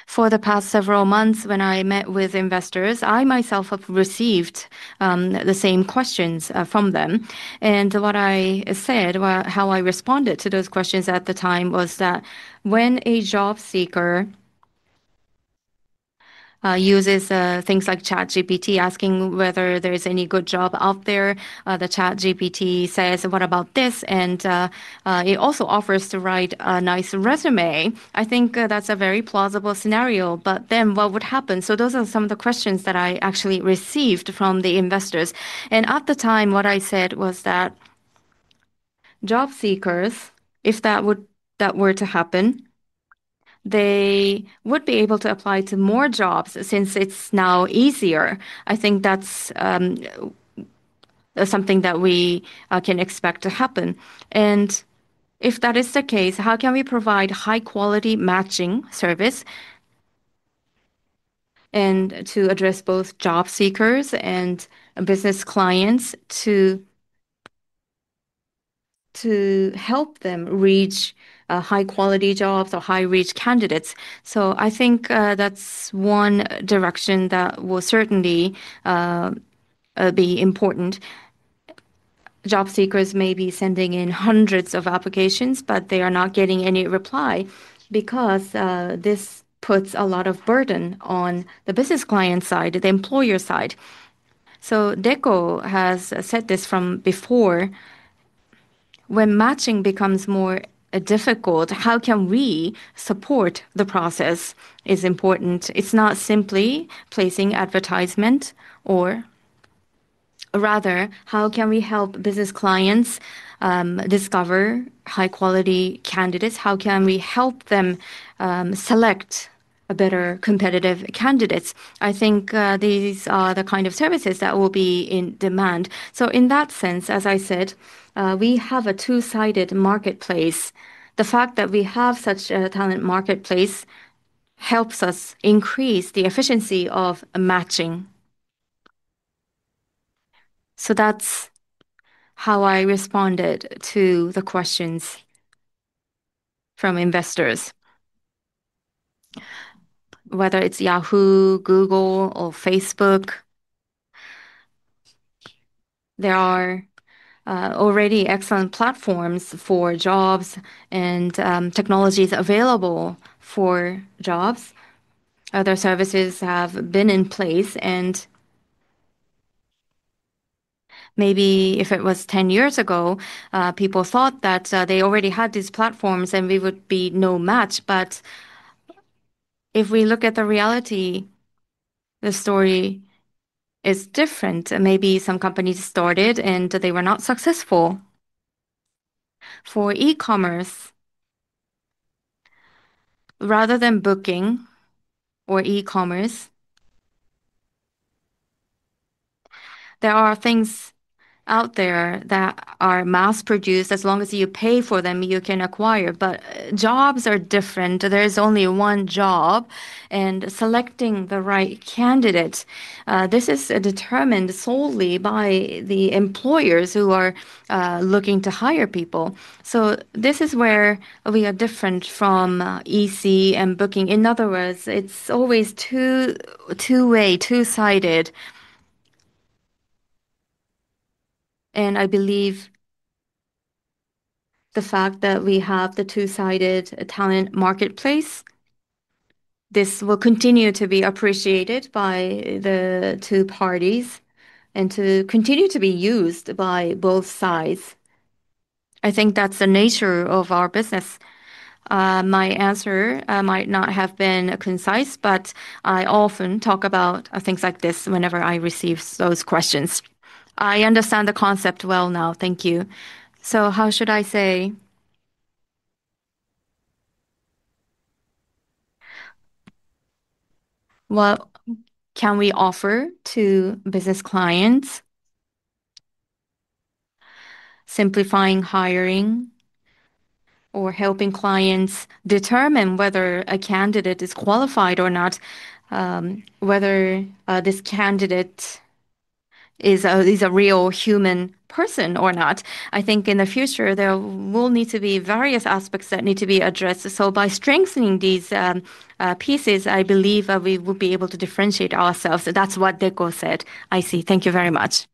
For the past several months, when I met with investors, I myself have received the same questions from them. What I said, how I responded to those questions at the time was that when a job seeker uses things like ChatGPT, asking whether there's any good job out there, the ChatGPT says, "What about this?" It also offers to write a nice resume. I think that's a very plausible scenario. What would happen? Those are some of the questions that I actually received from the investors. At the time, what I said was that job seekers, if that were to happen, they would be able to apply to more jobs since it's now easier. I think that's something that we can expect to happen. If that is the case, how can we provide high-quality matching service to address both job seekers and business clients, to help them reach high-quality jobs or high-reach candidates? I think that is one direction that will certainly be important. Job seekers may be sending in hundreds of applications, but they are not getting any reply because this puts a lot of burden on the business client side, the employer side. Deko has said this from before. When matching becomes more difficult, how can we support the process is important. It is not simply placing advertisement or, rather, how can we help business clients discover high-quality candidates? How can we help them select better competitive candidates? I think these are the kind of services that will be in demand. In that sense, as I said, we have a two-sided marketplace. The fact that we have such a talent marketplace helps us increase the efficiency of matching. That is how I responded to the questions from investors. Whether it is Yahoo, Google, or Facebook, there are already excellent platforms for jobs and technologies available for jobs. Other services have been in place. Maybe if it was 10 years ago, people thought that they already had these platforms and we would be no match. If we look at the reality, the story is different. Maybe some companies started and they were not successful. For e-commerce, rather than booking or e-commerce, there are things out there that are mass-produced. As long as you pay for them, you can acquire. Jobs are different. There is only one job, and selecting the right candidates, this is determined solely by the employers who are looking to hire people. This is where we are different from EC and booking. In other words, it is always two-way, two-sided. I believe the fact that we have the two-sided talent marketplace. This will continue to be appreciated by the two parties and to continue to be used by both sides. I think that's the nature of our business. My answer might not have been concise, but I often talk about things like this whenever I receive those questions. I understand the concept well now. Thank you. How should I say. What can we offer to business clients? Simplifying hiring. Or helping clients determine whether a candidate is qualified or not. Whether this candidate is a real human person or not. I think in the future, there will need to be various aspects that need to be addressed. By strengthening these pieces, I believe we will be able to differentiate ourselves. That's what Deko said. I see. Thank you very much.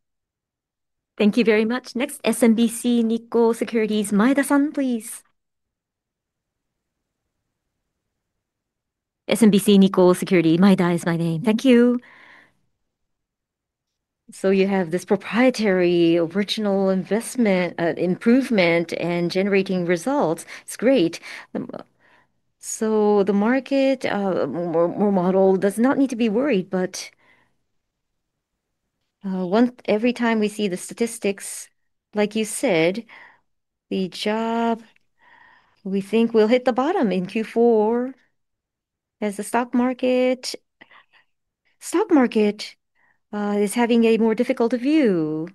Thank you very much. Next, SMBC Nikko Securities. Maeda-san, please. SMBC Nikko Securities. Maeda is my name. Thank you. You have this proprietary original investment improvement and generating results. It is great. The market model does not need to be worried, but every time we see the statistics, like you said, the job, we think will hit the bottom in Q4. As the stock market is having a more difficult view,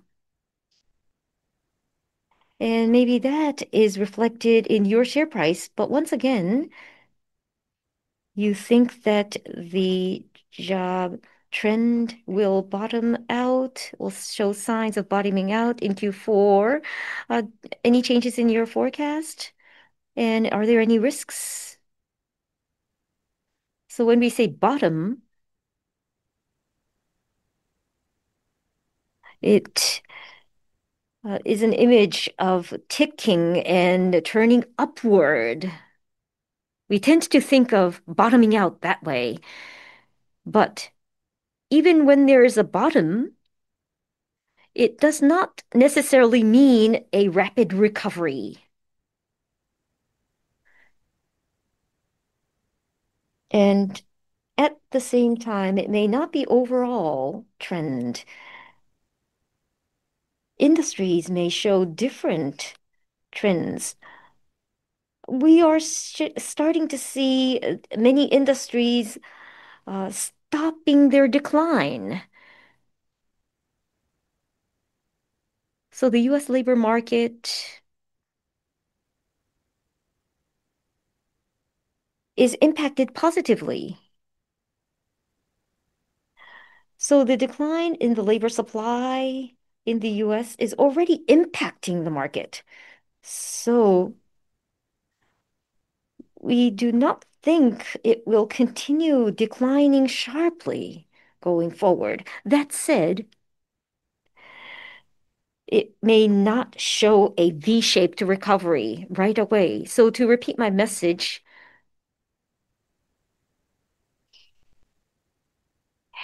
maybe that is reflected in your share price. Once again, you think that the job trend will bottom out, will show signs of bottoming out in Q4. Any changes in your forecast? Are there any risks? When we say bottom, it is an image of ticking and turning upward. We tend to think of bottoming out that way. Even when there is a bottom, it does not necessarily mean a rapid recovery. At the same time, it may not be overall trend. Industries may show different trends. We are starting to see many industries stopping their decline. The U.S. labor market is impacted positively. The decline in the labor supply in the U.S. is already impacting the market. We do not think it will continue declining sharply going forward. That said, it may not show a V-shaped recovery right away. To repeat my message,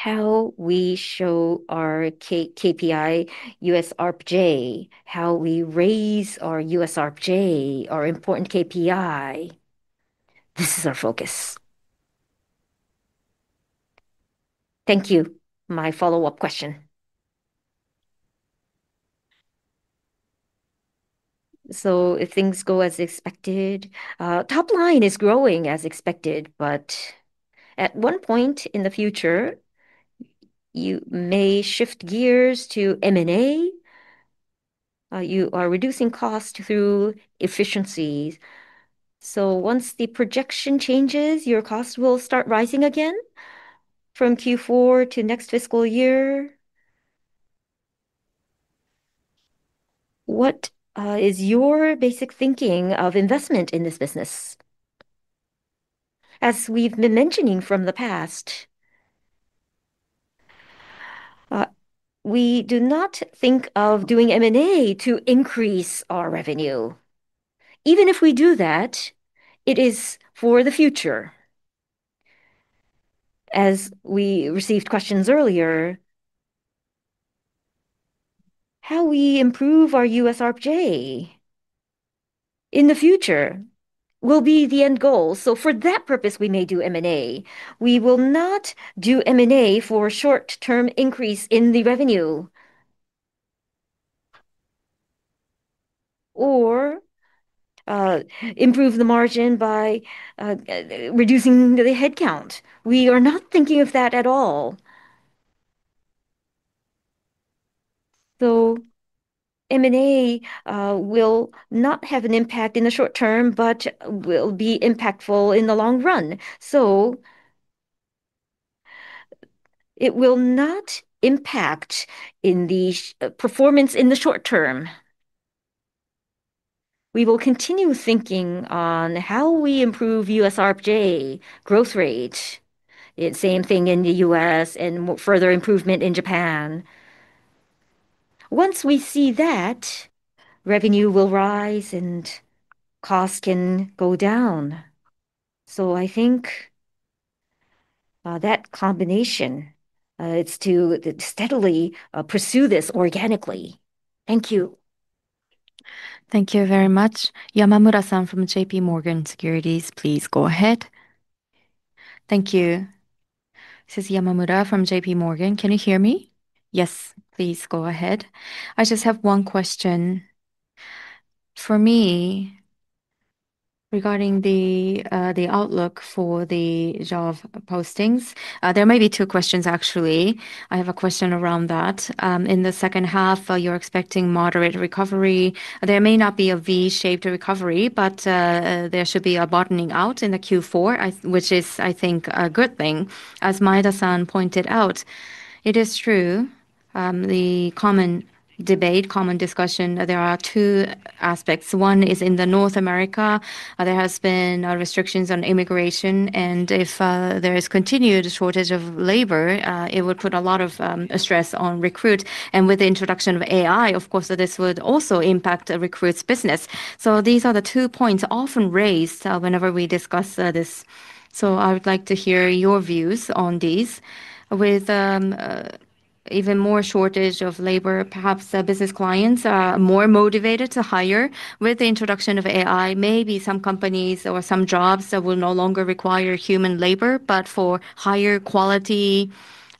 how we show our KPI, U.S. ARPJ, how we raise our U.S. ARPJ, our important KPI, this is our focus. Thank you. My follow-up question. If things go as expected, top line is growing as expected, but at one point in the future, you may shift gears to M&A. You are reducing cost through efficiencies. Once the projection changes, your cost will start rising again from Q4 to next fiscal year. What is your basic thinking of investment in this business? As we've been mentioning from the past, we do not think of doing M&A to increase our revenue. Even if we do that, it is for the future. As we received questions earlier, how we improve our U.S. ARPJ in the future will be the end goal. For that purpose, we may do M&A. We will not do M&A for a short-term increase in the revenue or improve the margin by reducing the headcount. We are not thinking of that at all. M&A will not have an impact in the short term, but will be impactful in the long run. It will not impact the performance in the short term. We will continue thinking on how we improve U.S. ARPJ growth rate, same thing in the U.S. and further improvement in Japan. Once we see that revenue will rise and cost can go down. I think that combination is to steadily pursue this organically. Thank you. Thank you very much. Yamamura-san from JPMorgan, please go ahead. Thank you. This is Yamamura from JPMorgan. Can you hear me? Yes. Please go ahead. I just have one question for me. Regarding the outlook for the job postings, there may be two questions, actually. I have a question around that. In the second half, you're expecting moderate recovery. There may not be a V-shaped recovery, but there should be a bottoming out in Q4, which is, I think, a good thing. As Maeda-san pointed out, it is true. The common debate, common discussion, there are two aspects. One is in North America, there has been restrictions on immigration, and if there is continued shortage of labor, it would put a lot of stress on recruits. With the introduction of AI, of course, this would also impact Recruit's business. These are the two points often raised whenever we discuss this. I would like to hear your views on these. With even more shortage of labor, perhaps business clients are more motivated to hire. With the introduction of AI, maybe some companies or some jobs will no longer require human labor, but for higher quality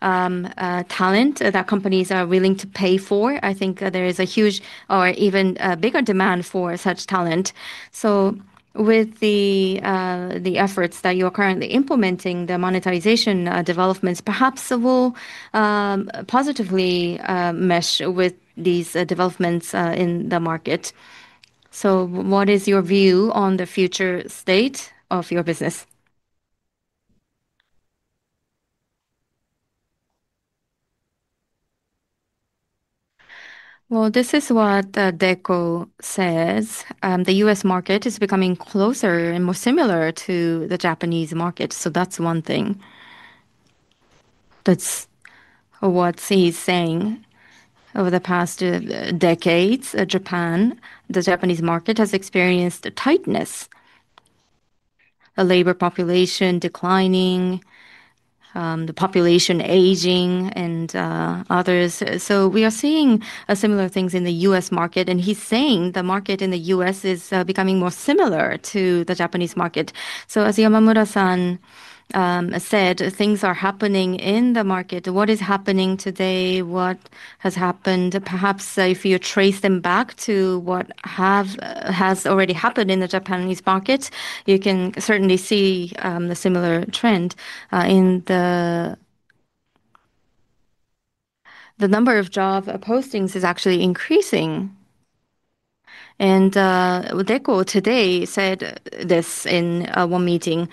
talent that companies are willing to pay for, I think there is a huge or even bigger demand for such talent. With the efforts that you are currently implementing, the monetization developments, perhaps it will positively mesh with these developments in the market. What is your view on the future state of your business? This is what Deko says. The U.S. market is becoming closer and more similar to the Japanese market. That is one thing. That's what he's saying. Over the past decades, Japan, the Japanese market has experienced tightness. A labor population declining. The population aging, and others. We are seeing similar things in the U.S. market. He's saying the market in the U.S. is becoming more similar to the Japanese market. As Yamamura-san said, things are happening in the market. What is happening today? What has happened? Perhaps if you trace them back to what has already happened in the Japanese market, you can certainly see the similar trend. The number of job postings is actually increasing. Deko today said this in one meeting.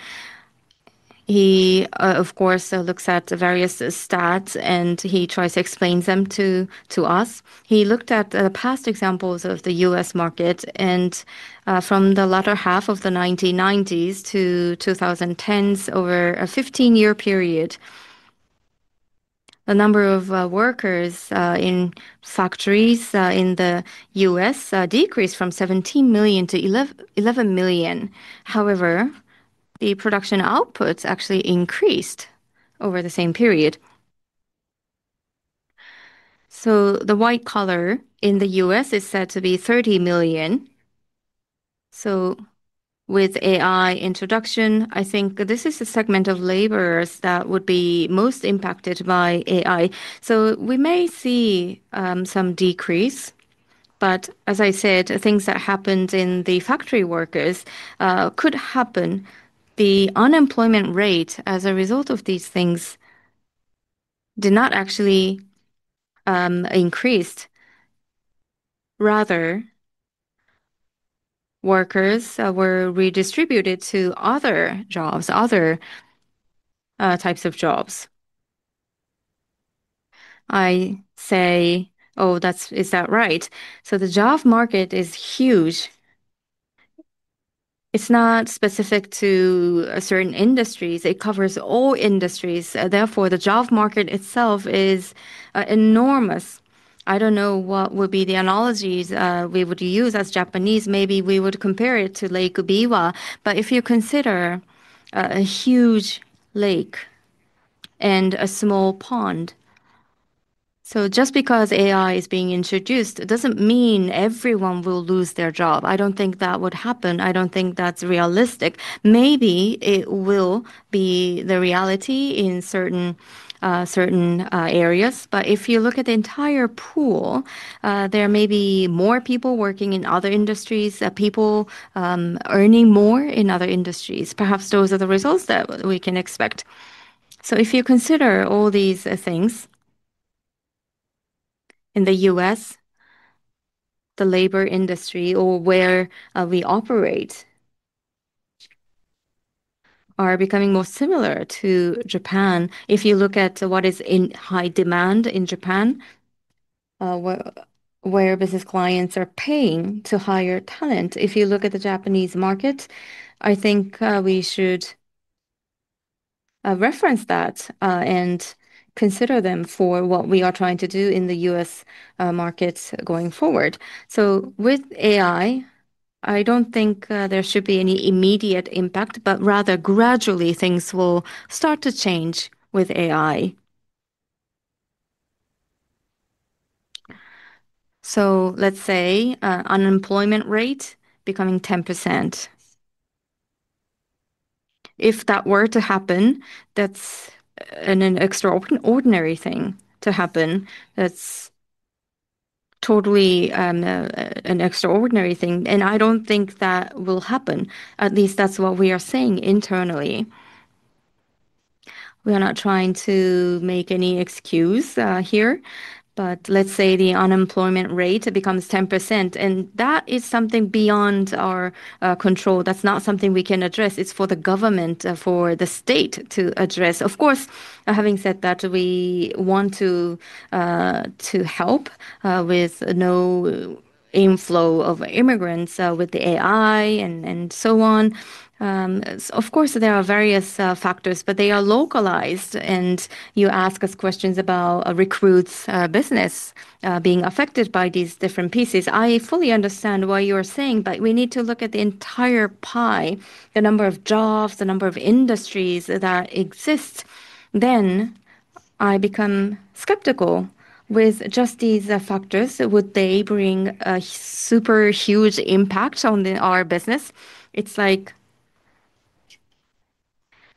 He, of course, looks at various stats, and he tries to explain them to us. He looked at the past examples of the U.S. market, and from the latter half of the 1990s to 2010s, over a 15-year period. The number of workers in factories in the U.S. decreased from 17 million to 11 million. However, the production output actually increased over the same period. The white collar in the U.S. is said to be 30 million. With AI introduction, I think this is a segment of laborers that would be most impacted by AI. We may see some decrease, but as I said, things that happened in the factory workers could happen. The unemployment rate as a result of these things did not actually increase. Rather, workers were redistributed to other jobs, other types of jobs. I say, oh, is that right? The job market is huge. It is not specific to certain industries. It covers all industries. Therefore, the job market itself is enormous. I do not know what would be the analogies we would use as Japanese. Maybe we would compare it to Lake Biwa. If you consider a huge lake and a small pond, just because AI is being introduced, it does not mean everyone will lose their job. I do not think that would happen. I do not think that is realistic. Maybe it will be the reality in certain areas. If you look at the entire pool, there may be more people working in other industries, people earning more in other industries. Perhaps those are the results that we can expect. If you consider all these things, in the U.S., the labor industry, or where we operate, are becoming more similar to Japan. If you look at what is in high demand in Japan, where business clients are paying to hire talent, if you look at the Japanese market, I think we should reference that and consider them for what we are trying to do in the U.S. market going forward. With AI, I do not think there should be any immediate impact, but rather gradually things will start to change with AI. Let's say the unemployment rate becomes 10%. If that were to happen, that is an extraordinary thing to happen. That is totally an extraordinary thing. I do not think that will happen. At least that is what we are saying internally. We are not trying to make any excuse here, but let's say the unemployment rate becomes 10%, and that is something beyond our control. That is not something we can address. It is for the government, for the state to address. Of course, having said that, we want to help with no inflow of immigrants with the AI and so on. Of course, there are various factors, but they are localized. You ask us questions about Recruit's business being affected by these different pieces. I fully understand what you are saying, but we need to look at the entire pie, the number of jobs, the number of industries that exist. I become skeptical. With just these factors, would they bring a super huge impact on our business? It is like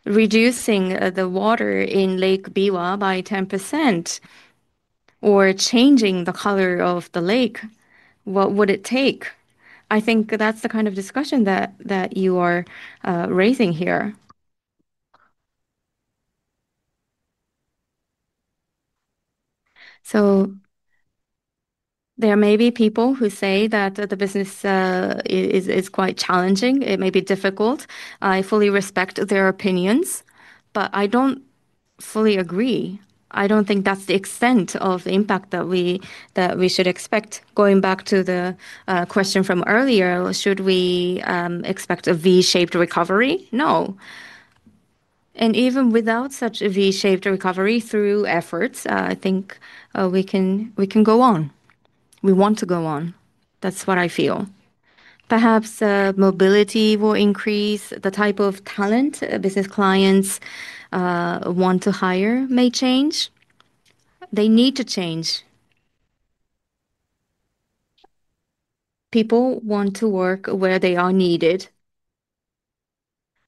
reducing the water in Lake Biwa by 10% or changing the color of the lake, what would it take? I think that is the kind of discussion that you are raising here. There may be people who say that the business is quite challenging. It may be difficult. I fully respect their opinions, but I do not fully agree. I do not think that is the extent of impact that we should expect. Going back to the question from earlier, should we expect a V-shaped recovery? No. Even without such a V-shaped recovery, through efforts, I think we can go on. We want to go on. That is what I feel. Perhaps mobility will increase. The type of talent business clients want to hire may change. They need to change. People want to work where they are needed.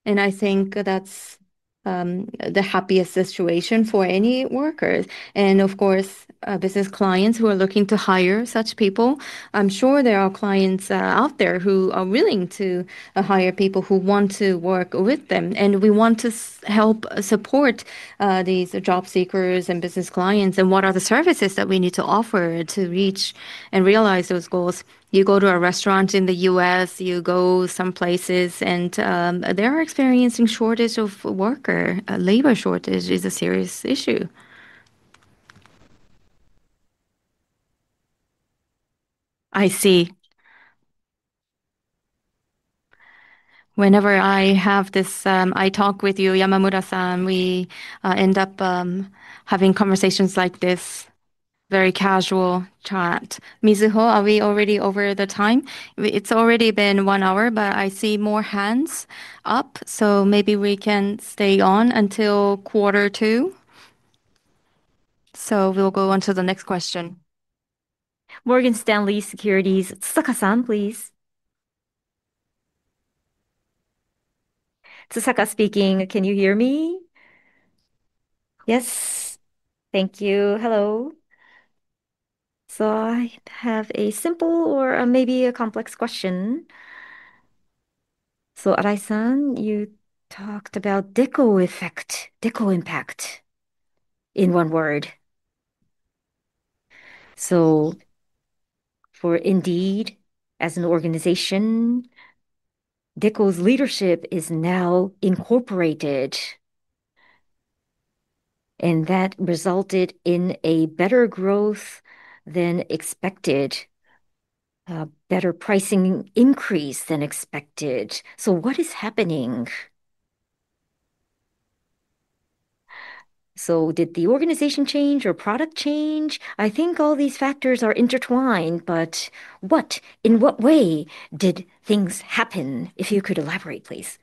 I think that is the happiest situation for any worker. Of course, business clients who are looking to hire such people, I am sure there are clients out there who are willing to hire people who want to work with them. We want to help support these job seekers and business clients. What are the services that we need to offer to reach and realize those goals? You go to a restaurant in the U.S., you go some places, and they are experiencing a shortage of workers. Labor shortage is a serious issue. I see. Whenever I have this, I talk with you, Yamamura-san, we end up having conversations like this, very casual chat. Mizuho, are we already over the time? It's already been one hour, but I see more hands up, so maybe we can stay on until quarter two. We will go on to the next question. Morgan Stanley Securities, Tsusaka-san, please. Tsusaka speaking. Can you hear me? Yes. Thank you. Hello. I have a simple or maybe a complex question. Arai-san, you talked about Deko effect, Deko impact. In one word, for Indeed, as an organization. Deko's leadership is now incorporated. That resulted in a better growth than expected. Better pricing increase than expected. What is happening? Did the organization change or product change? I think all these factors are intertwined, but in what way did things happen? If you could elaborate, please.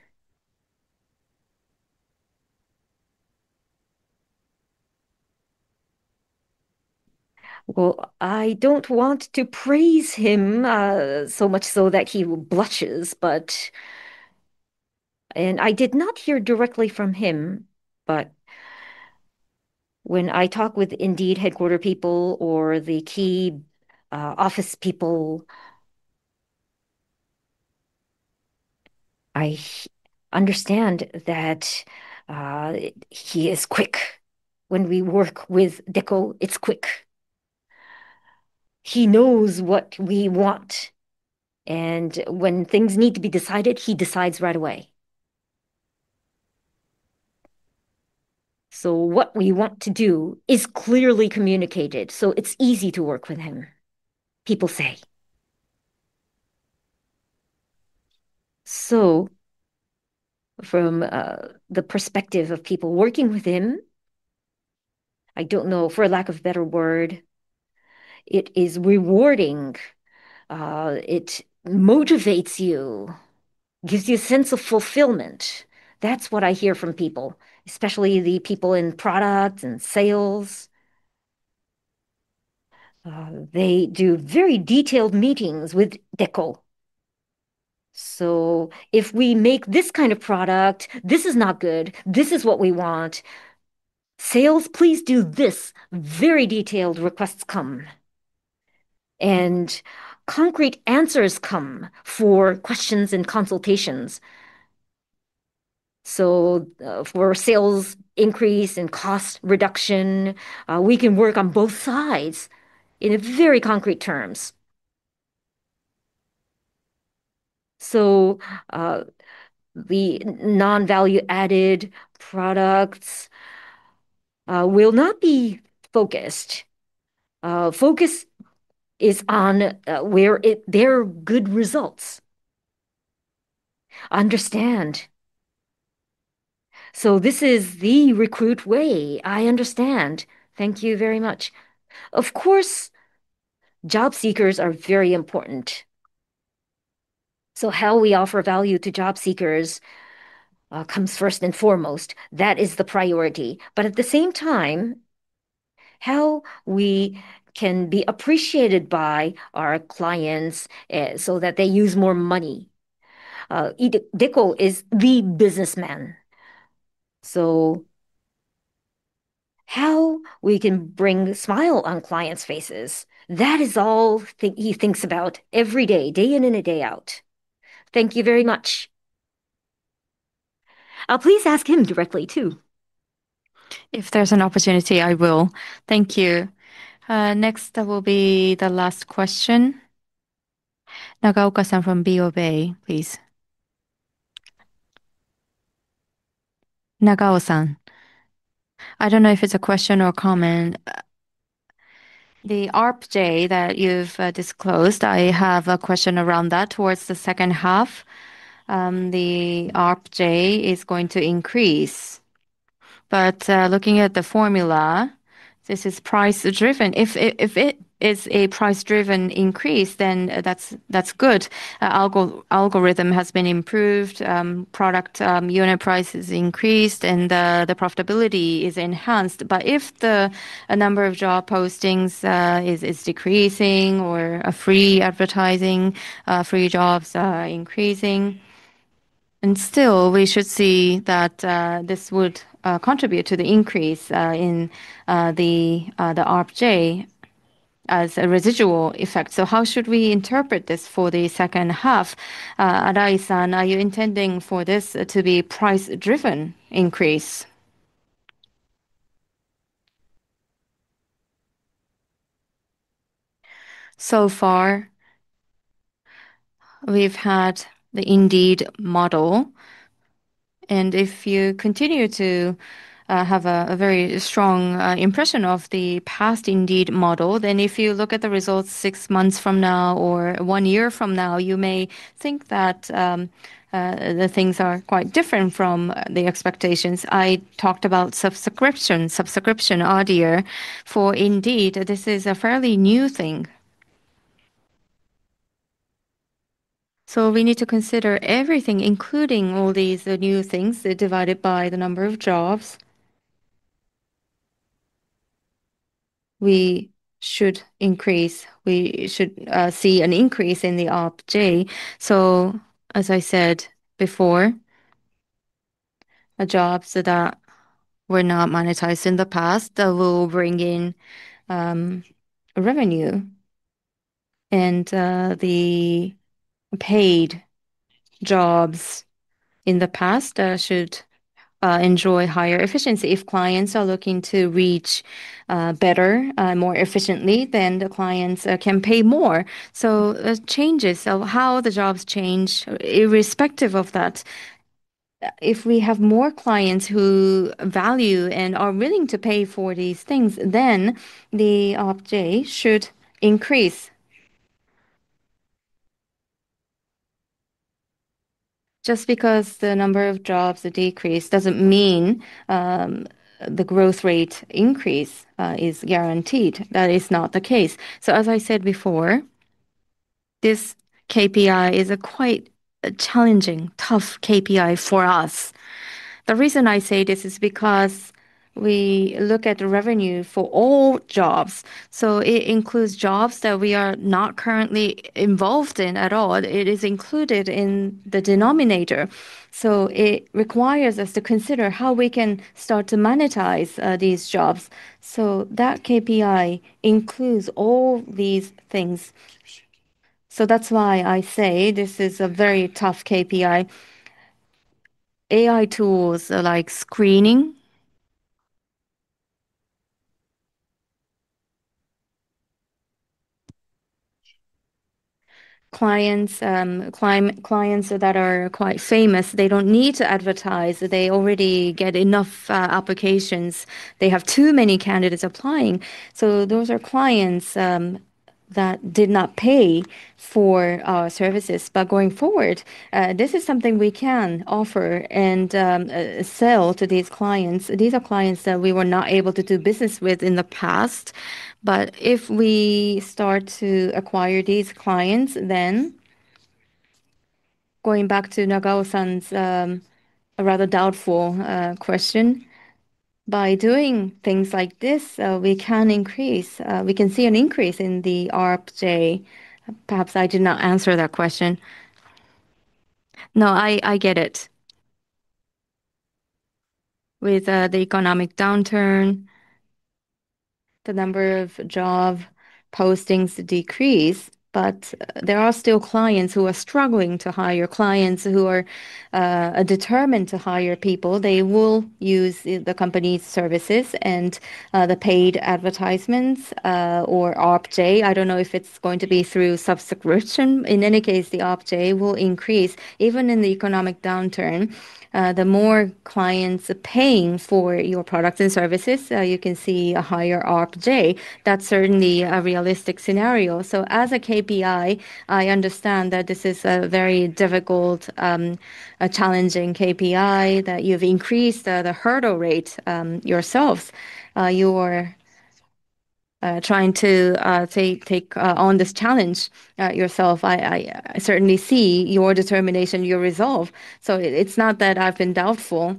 I do not want to praise him so much that he blushes, but I did not hear directly from him. When I talk with Indeed headquarter people or the key office people, I understand that he is quick. When we work with Deko, it is quick. He knows what we want, and when things need to be decided, he decides right away. What we want to do is clearly communicated, so it is easy to work with him, people say. From the perspective of people working with him, I do not know, for lack of a better word, it is rewarding. It motivates you, gives you a sense of fulfillment. That is what I hear from people, especially the people in product and sales. They do very detailed meetings with Deko. If we make this kind of product, this is not good. This is what we want. Sales, please do this. Very detailed requests come and concrete answers come for questions and consultations. For sales increase and cost reduction, we can work on both sides in very concrete terms. The non-value-added products will not be focused. Focus is on their good results. Understand. This is the Recruit way. I understand. Thank you very much. Of course, job seekers are very important. How we offer value to job seekers comes first and foremost. That is the priority. At the same time, how we can be appreciated by our clients so that they use more money. Deko is the businessman. How we can bring a smile on clients' faces, that is all he thinks about every day, day in and day out. Thank you very much. Please ask him directly too. If there's an opportunity, I will. Thank you. Next, that will be the last question. Nagaoka-san from BofA Securities, please. Nagaoka-san. I don't know if it's a question or a comment. The ARPJ that you've disclosed, I have a question around that towards the second half. The ARPJ is going to increase. Looking at the formula, this is price-driven. If it is a price-driven increase, then that's good. The algorithm has been improved. Product unit price is increased, and the profitability is enhanced. If the number of job postings is decreasing or free advertising, free jobs are increasing, we should see that this would contribute to the increase in the ARPJ as a residual effect. How should we interpret this for the second half? Arai-san, are you intending for this to be a price-driven increase? So far, we've had the Indeed model. If you continue to have a very strong impression of the past Indeed model. If you look at the results six months from now or one year from now, you may think that the things are quite different from the expectations. I talked about subscription earlier for Indeed. This is a fairly new thing. We need to consider everything, including all these new things, divided by the number of jobs. We should see an increase in the ARPJ. As I said before, jobs that were not monetized in the past will bring in revenue, and the paid jobs in the past should enjoy higher efficiency. If clients are looking to reach better, more efficiently, then the clients can pay more. Changes of how the jobs change, irrespective of that. If we have more clients who value and are willing to pay for these things, then the ARPJ should increase. Just because the number of jobs decreased doesn't mean the growth rate increase is guaranteed. That is not the case. As I said before, this KPI is a quite challenging, tough KPI for us. The reason I say this is because we look at revenue for all jobs, so it includes jobs that we are not currently involved in at all. It is included in the denominator. It requires us to consider how we can start to monetize these jobs. That KPI includes all these things. That is why I say this is a very tough KPI, AI tools like screening. Clients that are quite famous, they don't need to advertise. They already get enough applications. They have too many candidates applying. Those are clients that did not pay for our services. Going forward, this is something we can offer and sell to these clients. These are clients that we were not able to do business with in the past. If we start to acquire these clients, then, going back to Nagaoka-san's rather doubtful question, by doing things like this, we can increase. We can see an increase in the ARPJ. Perhaps I did not answer that question. No, I get it. With the economic downturn, the number of job postings decreased, but there are still clients who are struggling to hire, clients who are determined to hire people. They will use the company's services and the paid advertisements or ARPJ. I do not know if it is going to be through subscription. In any case, the ARPJ will increase even in the economic downturn. The more clients paying for your products and services, you can see a higher ARPJ. That's certainly a realistic scenario. As a KPI, I understand that this is a very difficult, challenging KPI, that you've increased the hurdle rate yourselves. You are trying to take on this challenge yourself. I certainly see your determination, your resolve. It's not that I've been doubtful.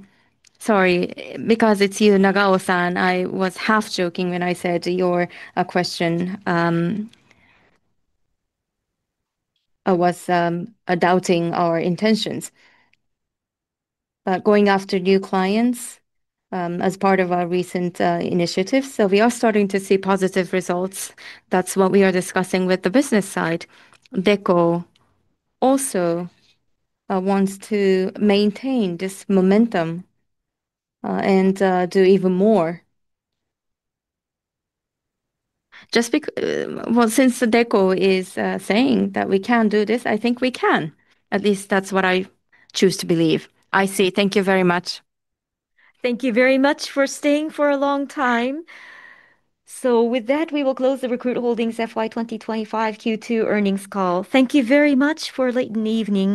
Sorry, because it's you, Nagaoka-san, I was half-joking when I said your question was doubting our intentions. Going after new clients as part of our recent initiatives, we are starting to see positive results. That's what we are discussing with the business side. Deko also wants to maintain this momentum and do even more. Since Deko is saying that we can do this, I think we can. At least that's what I choose to believe. I see. Thank you very much. Thank you very much for staying for a long time. With that, we will close the Recruit Holdings FY 2025 Q2 earnings call. Thank you very much for a late evening.